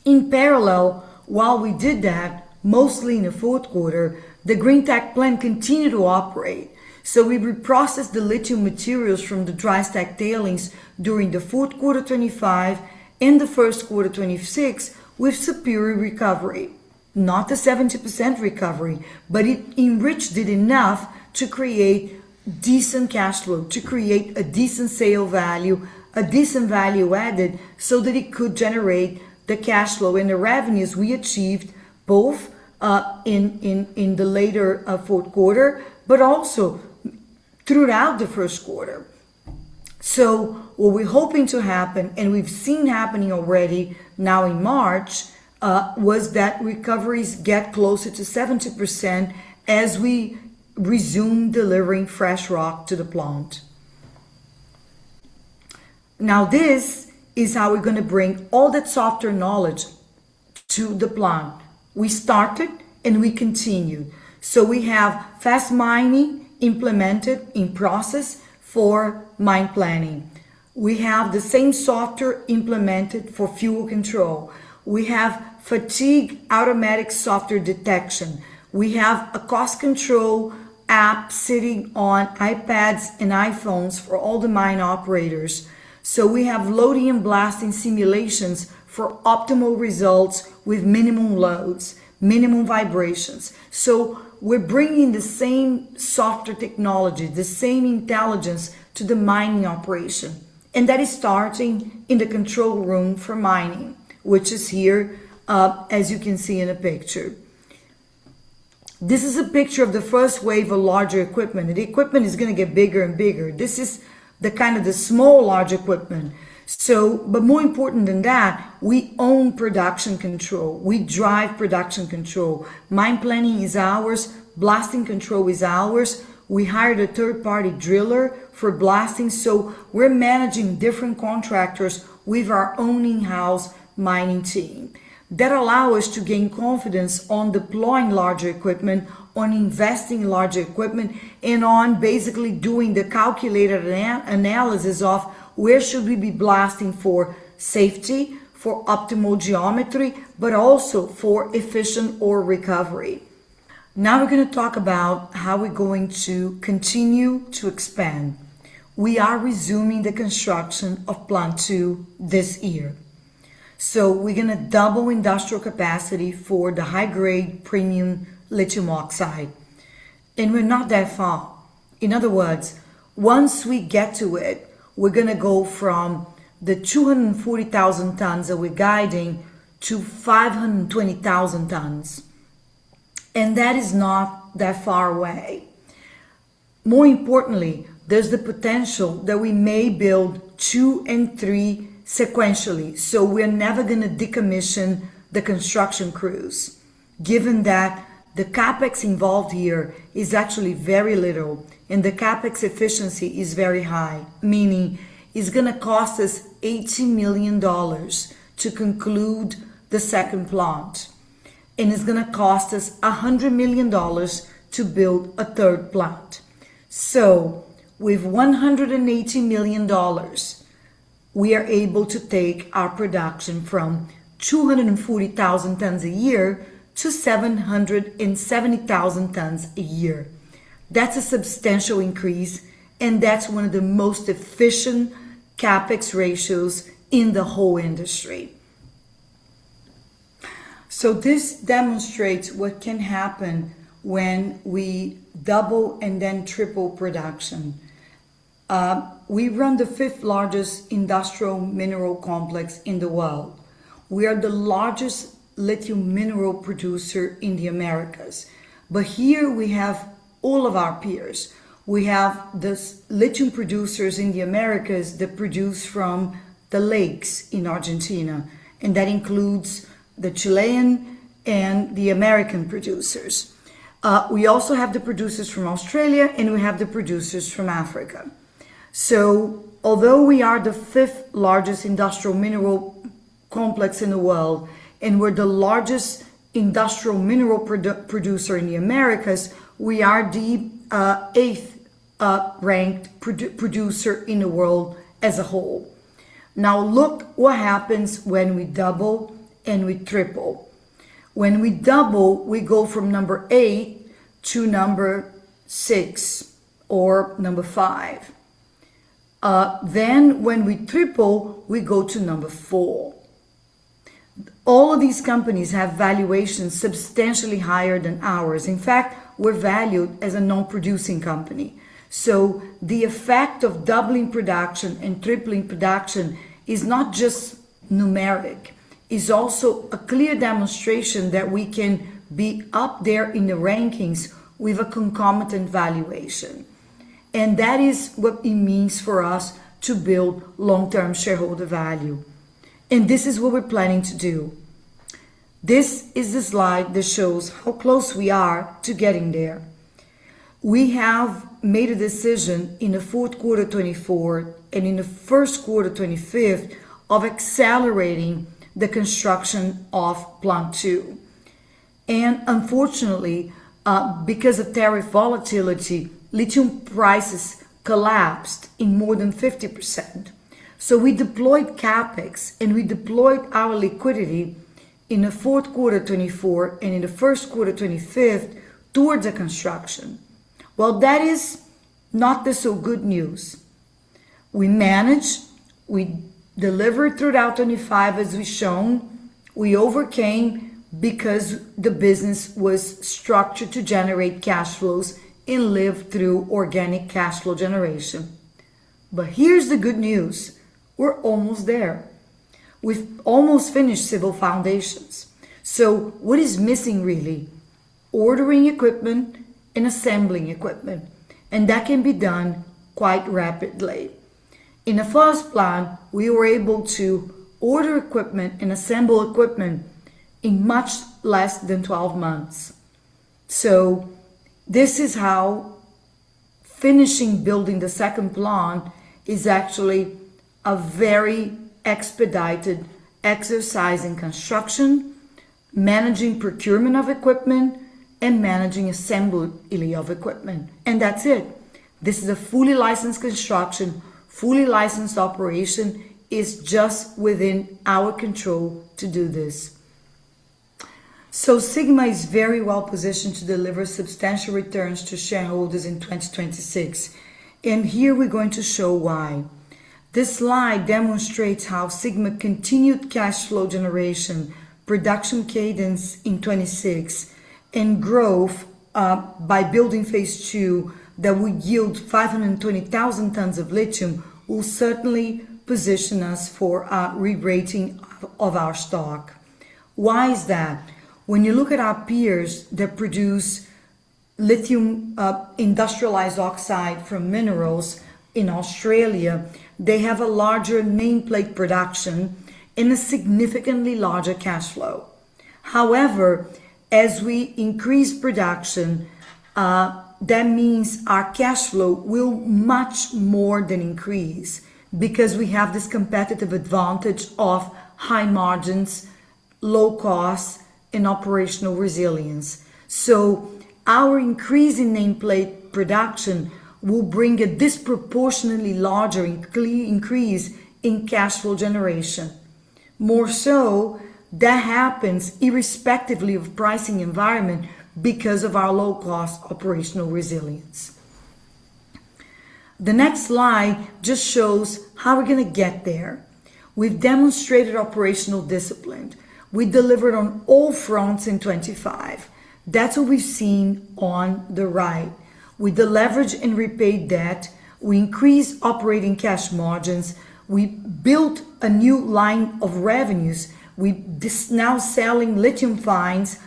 In parallel, while we did that, mostly in the fourth quarter, the Greentech Plant continued to operate. We reprocessed the lithium materials from the dry stack tailings during the fourth quarter 2025 and the first quarter 2026 with superior recovery. Not a 70% recovery, but it enriched it enough to create decent cash flow, to create a decent sale value, a decent value added, so that it could generate the cash flow and the revenues we achieved both in the latter fourth quarter, but also throughout the first quarter. What we're hoping to happen, and we've seen happening already now in March, was that recoveries get closer to 70% as we resume delivering fresh rock to the plant. Now, this is how we're gonna bring all that software knowledge to the plant. We started, and we continue. We have Fastmining implemented in process for mine planning. We have the same software implemented for fuel control. We have fatigue automatic software detection. We have a cost control app sitting on iPads and iPhones for all the mine operators. We have loading and blasting simulations for optimal results with minimum loads, minimum vibrations. We're bringing the same software technology, the same intelligence to the mining operation, and that is starting in the control room for mining, which is here, as you can see in the picture. This is a picture of the first wave of larger equipment. The equipment is gonna get bigger and bigger. This is the kind of small large equipment. More important than that, we own production control. We drive production control. Mine planning is ours. Blasting control is ours. We hired a third-party driller for blasting, so we're managing different contractors with our own in-house mining team. That allow us to gain confidence on deploying larger equipment, on investing larger equipment, and on basically doing the calculated analysis of where should we be blasting for safety, for optimal geometry, but also for efficient ore recovery. Now we're gonna talk about how we're going to continue to expand. We are resuming the construction of Plant 2 this year. We're gonna double industrial capacity for the high-grade premium lithium oxide, and we're not that far. In other words, once we get to it, we're gonna go from the 240,000 tons that we're guiding to 520,000 tons, and that is not that far away. More importantly, there's the potential that we may build two and three sequentially, so we're never gonna decommission the construction crews given that the CapEx involved here is actually very little, and the CapEx efficiency is very high, meaning it's gonna cost us $80 million to conclude the second plant, and it's gonna cost us $100 million to build a third plant. With $180 million, we are able to take our production from 240,000 tons a year to 770,000 tons a year. That's a substantial increase, and that's one of the most efficient CapEx ratios in the whole industry. This demonstrates what can happen when we double and then triple production. We run the fifth-largest industrial mineral complex in the world. We are the largest lithium mineral producer in the Americas. Here we have all of our peers. We have these lithium producers in the Americas that produce from the lakes in Argentina, and that includes the Chilean and the American producers. We also have the producers from Australia, and we have the producers from Africa. Although we are the fifth-largest industrial mineral complex in the world, and we're the largest industrial mineral producer in the Americas, we are the eighth ranked producer in the world as a whole. Now, look what happens when we double and we triple. When we double, we go from number eight to number six or number five. When we triple, we go to number four. All of these companies have valuations substantially higher than ours. In fact, we're valued as a non-producing company. The effect of doubling production and tripling production is not just numeric. It's also a clear demonstration that we can be up there in the rankings with a concomitant valuation. That is what it means for us to build long-term shareholder value. This is what we're planning to do. This is the slide that shows how close we are to getting there. We have made a decision in the fourth quarter 2024 and in the first quarter 2025 of accelerating the construction of Plant 2. Unfortunately, because of tariff volatility, lithium prices collapsed in more than 50%. We deployed CapEx, and we deployed our liquidity in the fourth quarter 2024 and in the first quarter 2025 towards the construction. Well, that is not so good news. We managed, we delivered throughout 2025 as we've shown. We overcame because the business was structured to generate cash flows and live through organic cash flow generation. Here's the good news. We're almost there. We've almost finished civil foundations. What is missing really? Ordering equipment and assembling equipment, and that can be done quite rapidly. In the first plant, we were able to order equipment and assemble equipment in much less than 12 months. This is how finishing building the second plant is actually a very expedited exercise in construction, managing procurement of equipment, and managing assembling of equipment, and that's it. This is a fully licensed construction, fully licensed operation. It's just within our control to do this. Sigma is very well positioned to deliver substantial returns to shareholders in 2026, and here we're going to show why. This slide demonstrates how Sigma continued cash flow generation, production cadence in 2026, and growth by building phase II that would yield 520,000 tons of lithium. Will certainly position us for a re-rating of our stock. Why is that? When you look at our peers that produce lithium, industrialized oxide from minerals in Australia, they have a larger nameplate production and a significantly larger cash flow. However, as we increase production, that means our cash flow will much more than increase because we have this competitive advantage of high margins, low costs, and operational resilience. Our increase in nameplate production will bring a disproportionately larger increase in cash flow generation. More so, that happens irrespective of pricing environment because of our low-cost operational resilience. The next slide just shows how we're going to get there. We've demonstrated operational discipline. We delivered on all fronts in 2025. That's what we've seen on the right. We deleveraged and repaid debt. We increased operating cash margins. We built a new line of revenues. We now sell high-purity lithium fines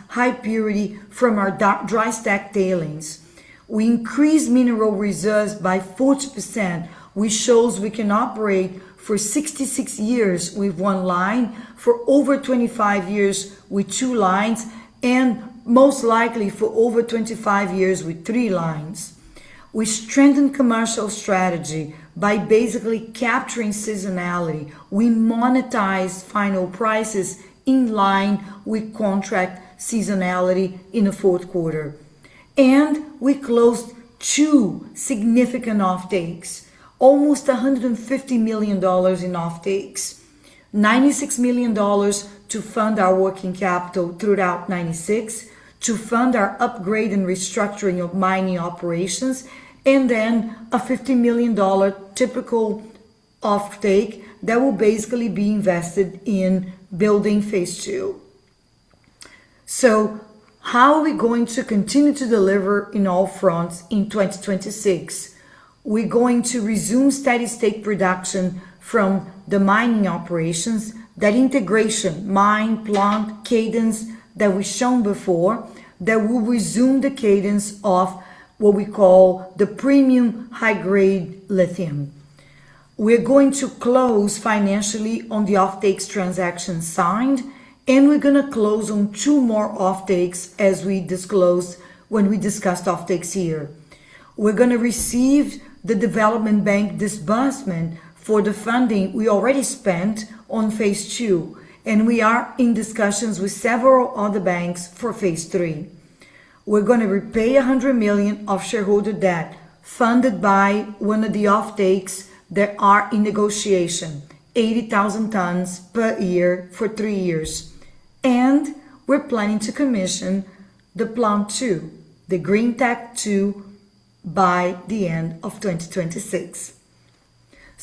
from our dry stack tailings. We increased mineral reserves by 40%, which shows we can operate for 66 years with one line, for over 25 years with two lines, and most likely for over 25 years with three lines. We strengthened commercial strategy by basically capturing seasonality. We monetized final prices in line with contract seasonality in the fourth quarter. We closed two significant offtakes, almost $150 million in offtakes, $96 million to fund our working capital throughout 96, to fund our upgrade and restructuring of mining operations, and then a $50 million typical offtake that will basically be invested in building phase II. How are we going to continue to deliver in all fronts in 2026? We're going to resume steady state production from the mining operations. That integration, mine, plant, cadence that we've shown before, that will resume the cadence of what we call the premium high-grade lithium. We're going to close financially on the offtakes transaction signed, and we're gonna close on two more offtakes as we disclosed when we discussed offtakes here. We're gonna receive the development bank disbursement for the funding we already spent on phase II, and we are in discussions with several other banks for phase III. We're gonna repay $100 million of shareholder debt funded by one of the offtakes that are in negotiation, 80,000 tons per year for three years. We're planning to commission the Plant 2, the Greentech 2 by the end of 2026.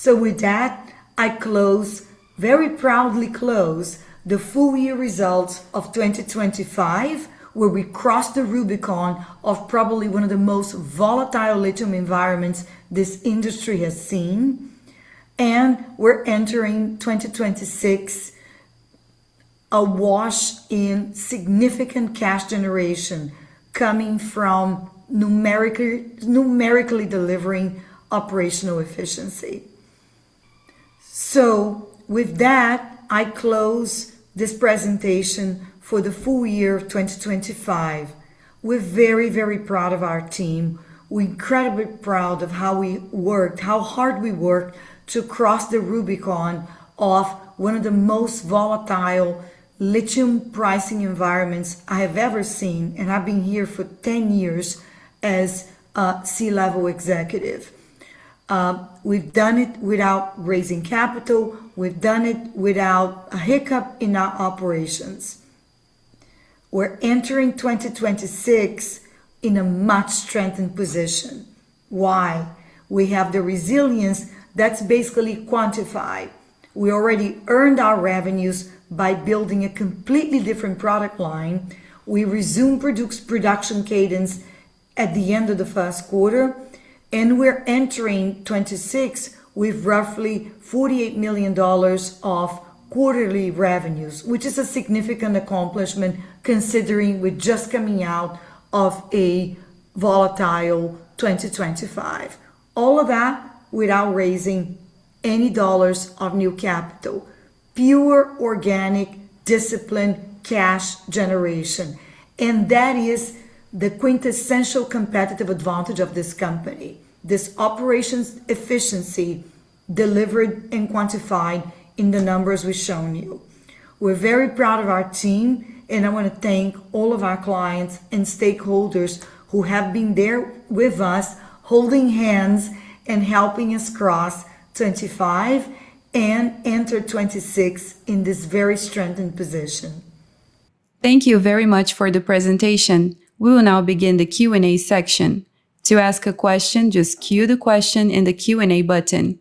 With that, I close, very proudly close the full-year results of 2025, where we crossed the Rubicon of probably one of the most volatile lithium environments this industry has seen. We're entering 2026 awash in significant cash generation coming from numerically delivering operational efficiency. With that, I close this presentation for the full-year of 2025. We're very, very proud of our team. We're incredibly proud of how we worked, how hard we worked to cross the Rubicon of one of the most volatile lithium pricing environments I have ever seen, and I've been here for 10 years as a C-level executive. We've done it without raising capital. We've done it without a hiccup in our operations. We're entering 2026 in a much strengthened position. Why? We have the resilience that's basically quantified. We already earned our revenues by building a completely different product line. We resume production cadence at the end of the first quarter, and we're entering 2026 with roughly $48 million of quarterly revenues, which is a significant accomplishment considering we're just coming out of a volatile 2025. All of that without raising any dollars of new capital. Pure organic disciplined cash generation. That is the quintessential competitive advantage of this company, this operational efficiency delivered and quantified in the numbers we've shown you. We're very proud of our team, and I want to thank all of our clients and stakeholders who have been there with us holding hands and helping us cross 2025 and enter 2026 in this very strengthened position. Thank you very much for the presentation. We will now begin the Q&A section. To ask a question, just queue the question in the Q&A button.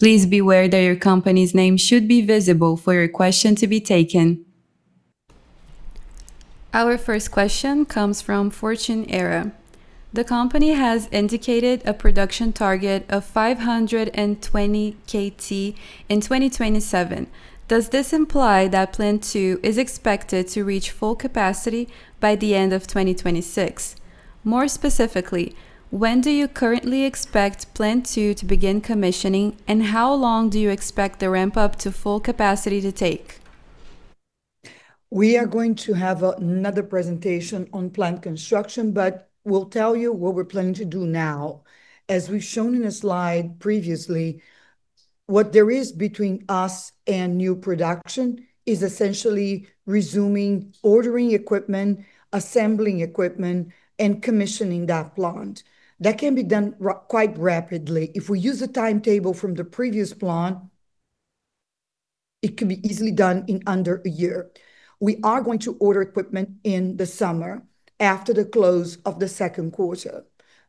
Please be aware that your company's name should be visible for your question to be taken. Our first question comes from Fortune Era. The company has indicated a production target of 520 KT in 2027. Does this imply that Plant 2 is expected to reach full capacity by the end of 2026? More specifically, when do you currently expect Plant 2 to begin commissioning, and how long do you expect the ramp-up to full capacity to take? We are going to have another presentation on plant construction, but we'll tell you what we're planning to do now. As we've shown in a slide previously, what there is between us and new production is essentially resuming ordering equipment, assembling equipment, and commissioning that plant. That can be done quite rapidly. If we use a timetable from the previous plant, it can be easily done in under a year. We are going to order equipment in the summer after the close of the second quarter.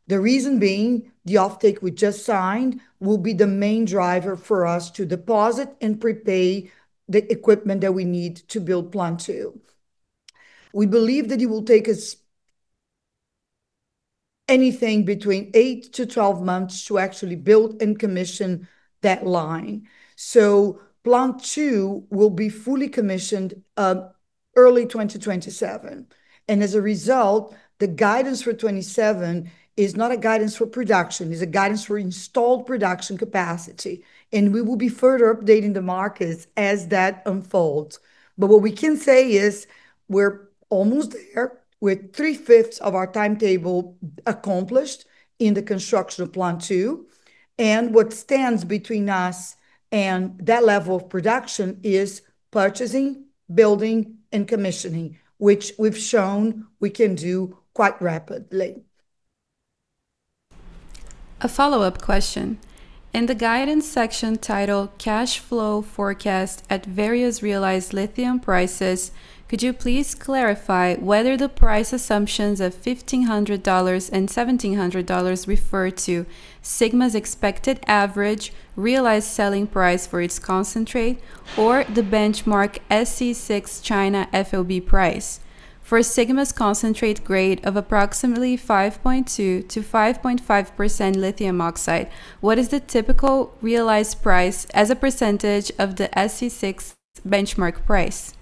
The reason being the offtake we just signed will be the main driver for us to deposit and prepay the equipment that we need to build Plant 2. We believe that it will take us anything between 8-12 months to actually build and commission that line. Plant 2 will be fully commissioned early 2027. As a result, the guidance for 2027 is not a guidance for production, it's a guidance for installed production capacity, and we will be further updating the markets as that unfolds. What we can say is we're almost there. We're three-fifths of our timetable accomplished in the construction of Plant 2, and what stands between us and that level of production is purchasing, building, and commissioning, which we've shown we can do quite rapidly. A follow-up question. In the guidance section titled Cash Flow Forecast at Various Realized Lithium Prices, could you please clarify whether the price assumptions of $1500 and $1700 refer to Sigma's expected average realized selling price for its concentrate or the benchmark SC6 China FOB price? For Sigma's concentrate grade of approximately 5.2%-5.5% lithium oxide, what is the typical realized price as a percentage of the SC6 benchmark price?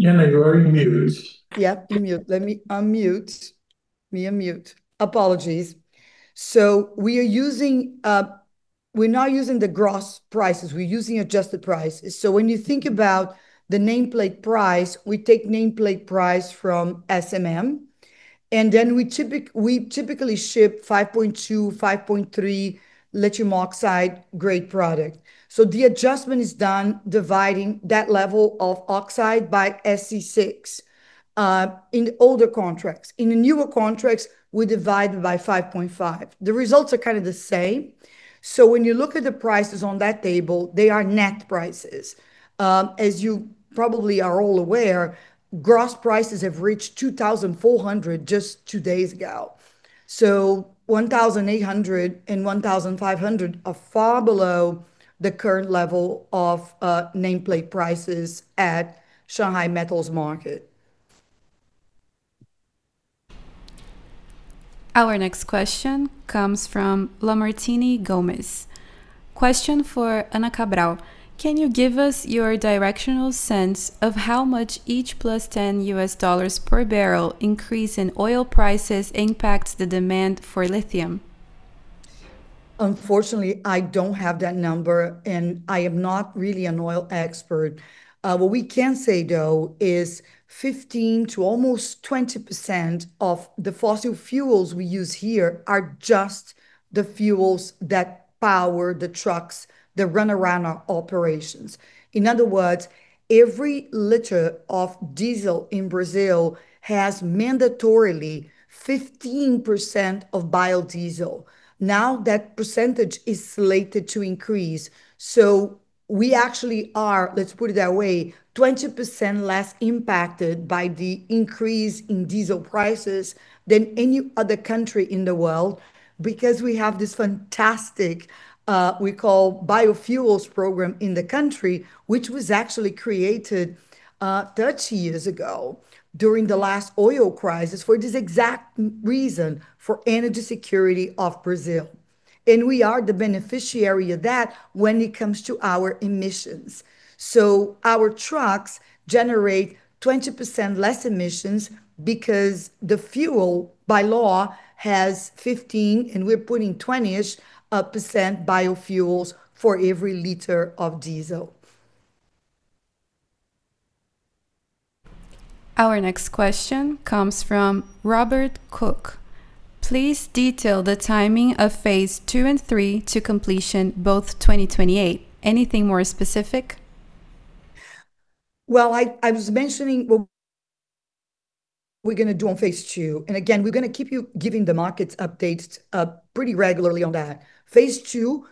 Yeah, unmute, let me unmute. Let me unmute. Apology. We are using, we're not using the gross prices. We're using adjusted prices. When you think about the nameplate price, we take nameplate price from SMM, and then we typically ship 5.2-5.3 lithium oxide grade product. The adjustment is done dividing that level of oxide by SC6 in older contracts. In the newer contracts, we divide by 5.5. The results are kind of the same. When you look at the prices on that table, they are net prices. As you probably are all aware, gross prices have reached $2,400 just two days ago. $1,800 and $1,500 are far below the current level of nameplate prices at Shanghai Metals Market. Our next question comes from Lamartine Gomes. Question for Ana Cabral. Can you give us your directional sense of how much each +$10 per barrel increase in oil prices impacts the demand for lithium? Unfortunately, I don't have that number, and I am not really an oil expert. What we can say, though, is 15%-20% of the fossil fuels we use here are just the fuels that power the trucks that run around our operations. In other words, every liter of diesel in Brazil has mandatorily 15% of biodiesel. Now, that percentage is slated to increase. We actually are, let's put it that way, 20% less impacted by the increase in diesel prices than any other country in the world because we have this fantastic, we call biofuels program in the country, which was actually created, 30 years ago during the last oil crisis for this exact reason for energy security of Brazil. We are the beneficiary of that when it comes to our emissions. Our trucks generate 20% less emissions because the fuel by law has 15%, and we're putting 20-ish% biofuels for every liter of diesel. Our next question comes from Robert Cook. Please detail the timing of phase II and III to completion, both 2028. Anything more specific? Well, I was mentioning what we're gonna do on phase II. Again, we're gonna keep giving the markets updates pretty regularly on that. Phase II,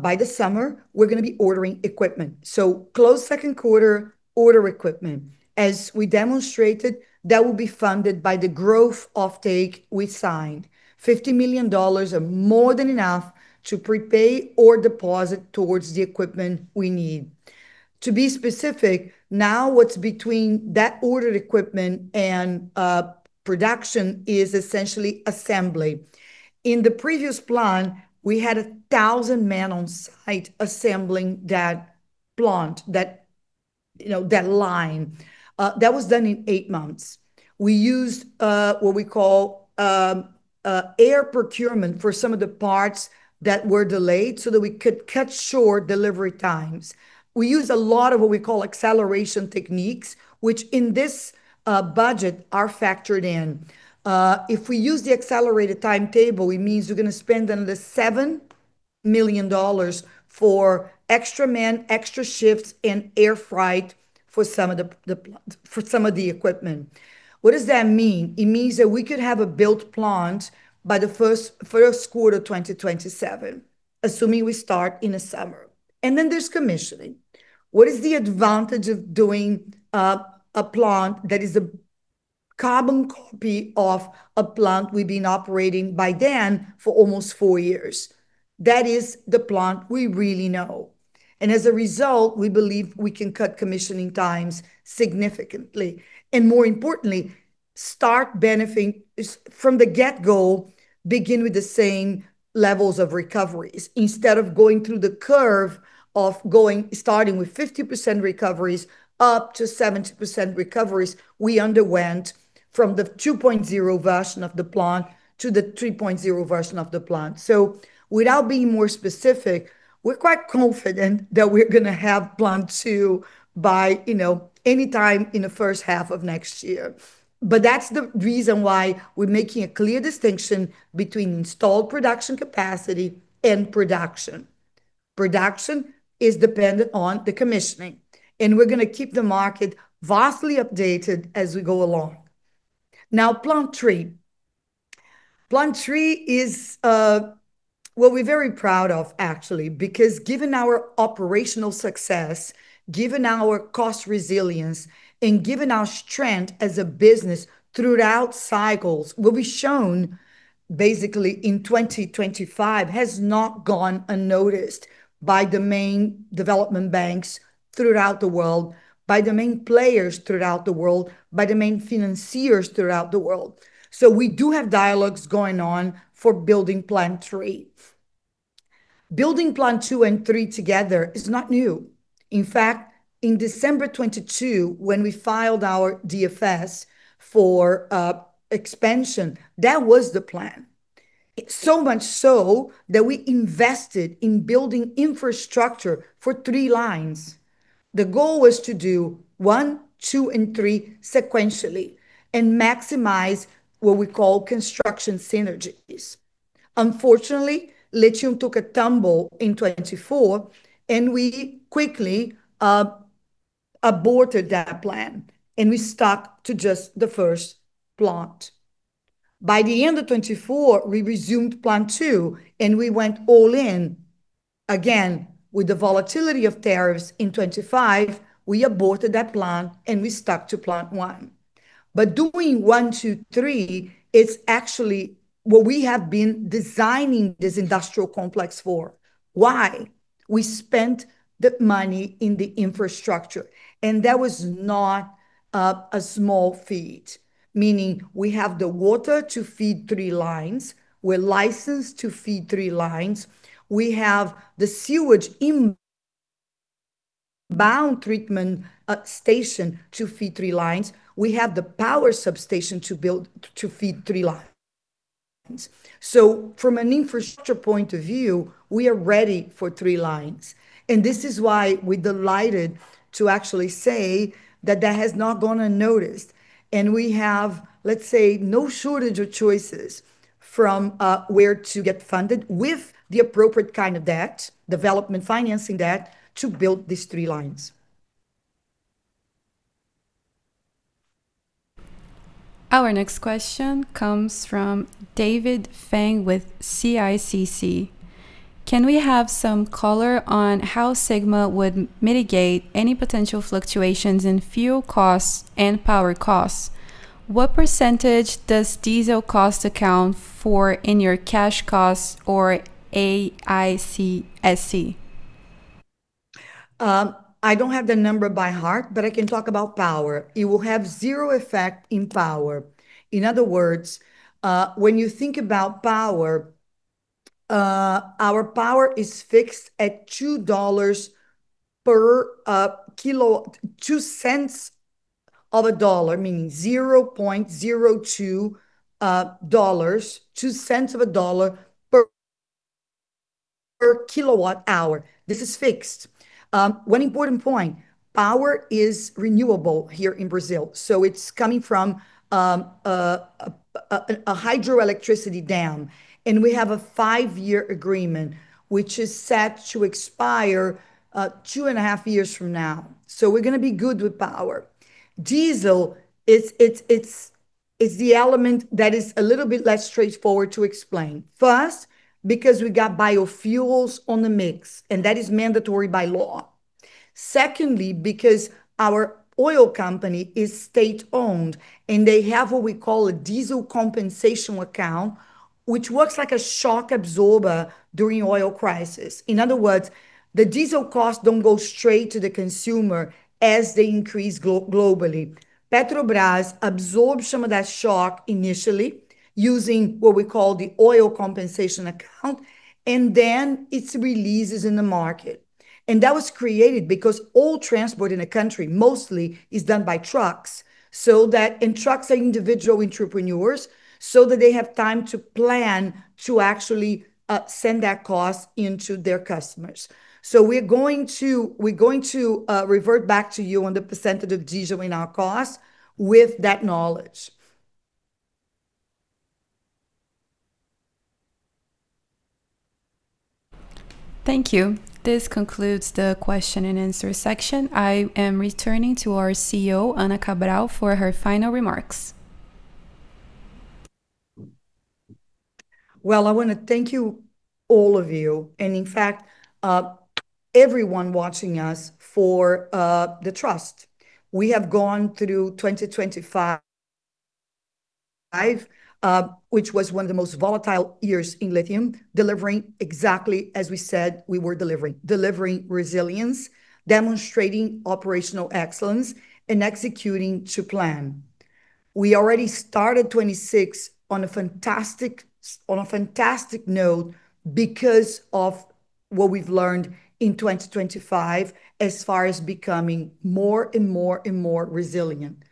by the summer, we're gonna be ordering equipment. Close second quarter, order equipment. As we demonstrated, that will be funded by the growth offtake we signed. $50 million are more than enough to prepay or deposit towards the equipment we need. To be specific, now what's between that ordered equipment and production is essentially assembly. In the previous plant, we had 1,000 men on site assembling that plant, you know, that line. That was done in eight months. We used what we call air procurement for some of the parts that were delayed so that we could cut short delivery times. We use a lot of what we call acceleration techniques, which in this budget are factored in. If we use the accelerated timetable, it means we're gonna spend under $7 million for extra men, extra shifts, and air freight for some of the equipment. What does that mean? It means that we could have built a plant by the first quarter 2027, assuming we start in the summer. Then there's commissioning. What is the advantage of doing a plant that is a carbon copy of a plant we've been operating by then for almost four years? That is the plant we really know. As a result, we believe we can cut commissioning times significantly, and more importantly, start benefiting from the get-go, begin with the same levels of recoveries. Instead of starting with 50% recoveries up to 70% recoveries, we went from the 2.0 version of the plant to the 3.0 version of the plant. Without being more specific, we're quite confident that we're gonna have Plant 2 by, you know, any time in the first half of next year. That's the reason why we're making a clear distinction between installed production capacity and production. Production is dependent on the commissioning, and we're gonna keep the market closely updated as we go along. Now, Plant 3. Plant 3 is what we're very proud of actually, because given our operational success, given our cost resilience, and given our strength as a business throughout cycles will be shown basically in 2025 has not gone unnoticed by the main development banks throughout the world, by the main players throughout the world, by the main financiers throughout the world. We do have dialogues going on for building Plant 3. Building Plant 2 and 3 together is not new. In fact, in December 2022, when we filed our DFS for expansion, that was the plan. Much so that we invested in building infrastructure for three lines. The goal was to do one, two, and three sequentially and maximize what we call construction synergies. Unfortunately, lithium took a tumble in 2024, and we quickly aborted that plan, and we stuck to just the first plant. By the end of 2024, we resumed Plant 2, and we went all in. Again, with the volatility of tariffs in 2025, we aborted that plan, and we stuck to Plant 1. Doing one, two, three is actually what we have been designing this industrial complex for. Why? We spent the money in the infrastructure, and that was not a small feat, meaning we have the water to feed three lines. We're licensed to feed three lines. We have the sewage in-bound treatment station to feed three lines. We have the power substation to feed three lines. From an infrastructure point of view, we are ready for three lines, and this is why we're delighted to actually say that that has not gone unnoticed. We have, let's say, no shortage of choices from where to get funded with the appropriate kind of debt, development financing debt, to build these three lines. Our next question comes from David Fang with CICC. Can we have some color on how Sigma would mitigate any potential fluctuations in fuel costs and power costs? What percentage does diesel cost account for in your cash costs or AISC? I don't have the number by heart, but I can talk about power. It will have zero effect in power. In other words, when you think about power, our power is fixed at $2 per, kilowatt, $0.02, I mean $0.02, $0.02 per kilowatt hour. This is fixed. One important point, power is renewable here in Brazil, so it's coming from a hydroelectric dam. We have a five-year agreement which is set to expire two and a half years from now. We're gonna be good with power. Diesel it's the element that is a little bit less straightforward to explain. First, because we got biofuels in the mix, and that is mandatory by law. Secondly, because our oil company is state-owned, and they have what we call a diesel compensation account, which works like a shock absorber during oil crisis. In other words, the diesel costs don't go straight to the consumer as they increase globally. Petrobras absorbs some of that shock initially using what we call the oil compensation account, and then it releases in the market. That was created because all transport in the country mostly is done by trucks so that trucks are individual entrepreneurs, so that they have time to plan to actually send that cost into their customers. We're going to revert back to you on the percentage of diesel in our costs with that knowledge. Thank you. This concludes the question-and-answer section. I am returning to our CEO, Ana Cabral, for her final remarks. Well, I wanna thank you, all of you, and in fact, everyone watching us for the trust. We have gone through 2025, which was one of the most volatile years in lithium, delivering exactly as we said we were delivering resilience, demonstrating operational excellence, and executing to plan. We already started 2026 on a fantastic note because of what we've learned in 2025, as far as becoming more and more resilient.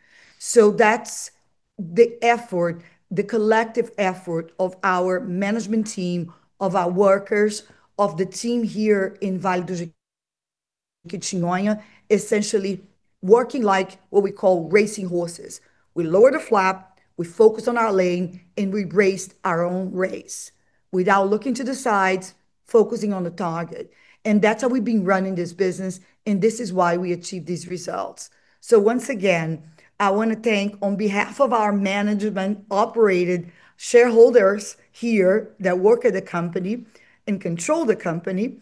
That's the effort, the collective effort of our management team, of our workers, of the team here in Vale do Jequitinhonha, essentially working like what we call racing horses. We lower the flap, we focus on our lane, and we race our own race without looking to the sides, focusing on the target. That's how we've been running this business, and this is why we achieve these results. Once again, I wanna thank on behalf of our management-operated shareholders here that work at the company and control the company,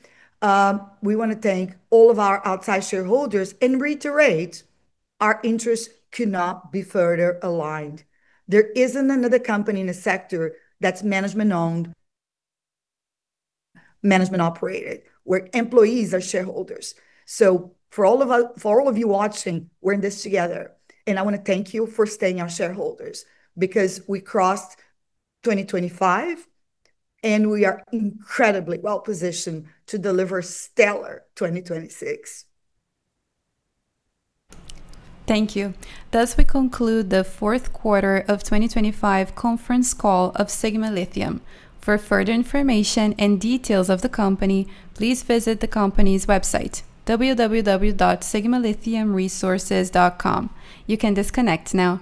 we wanna thank all of our outside shareholders and reiterate our interests could not be further aligned. There isn't another company in the sector that's management-owned, management-operated, where employees are shareholders. For all of us, for all of you watching, we're in this together, and I wanna thank you for staying our shareholders because we crossed 2025, and we are incredibly well-positioned to deliver stellar 2026. Thank you. Thus, we conclude the fourth quarter of 2025 conference call of Sigma Lithium. For further information and details of the company, please visit the company's website, www.sigmalithiumresources.com. You can disconnect now.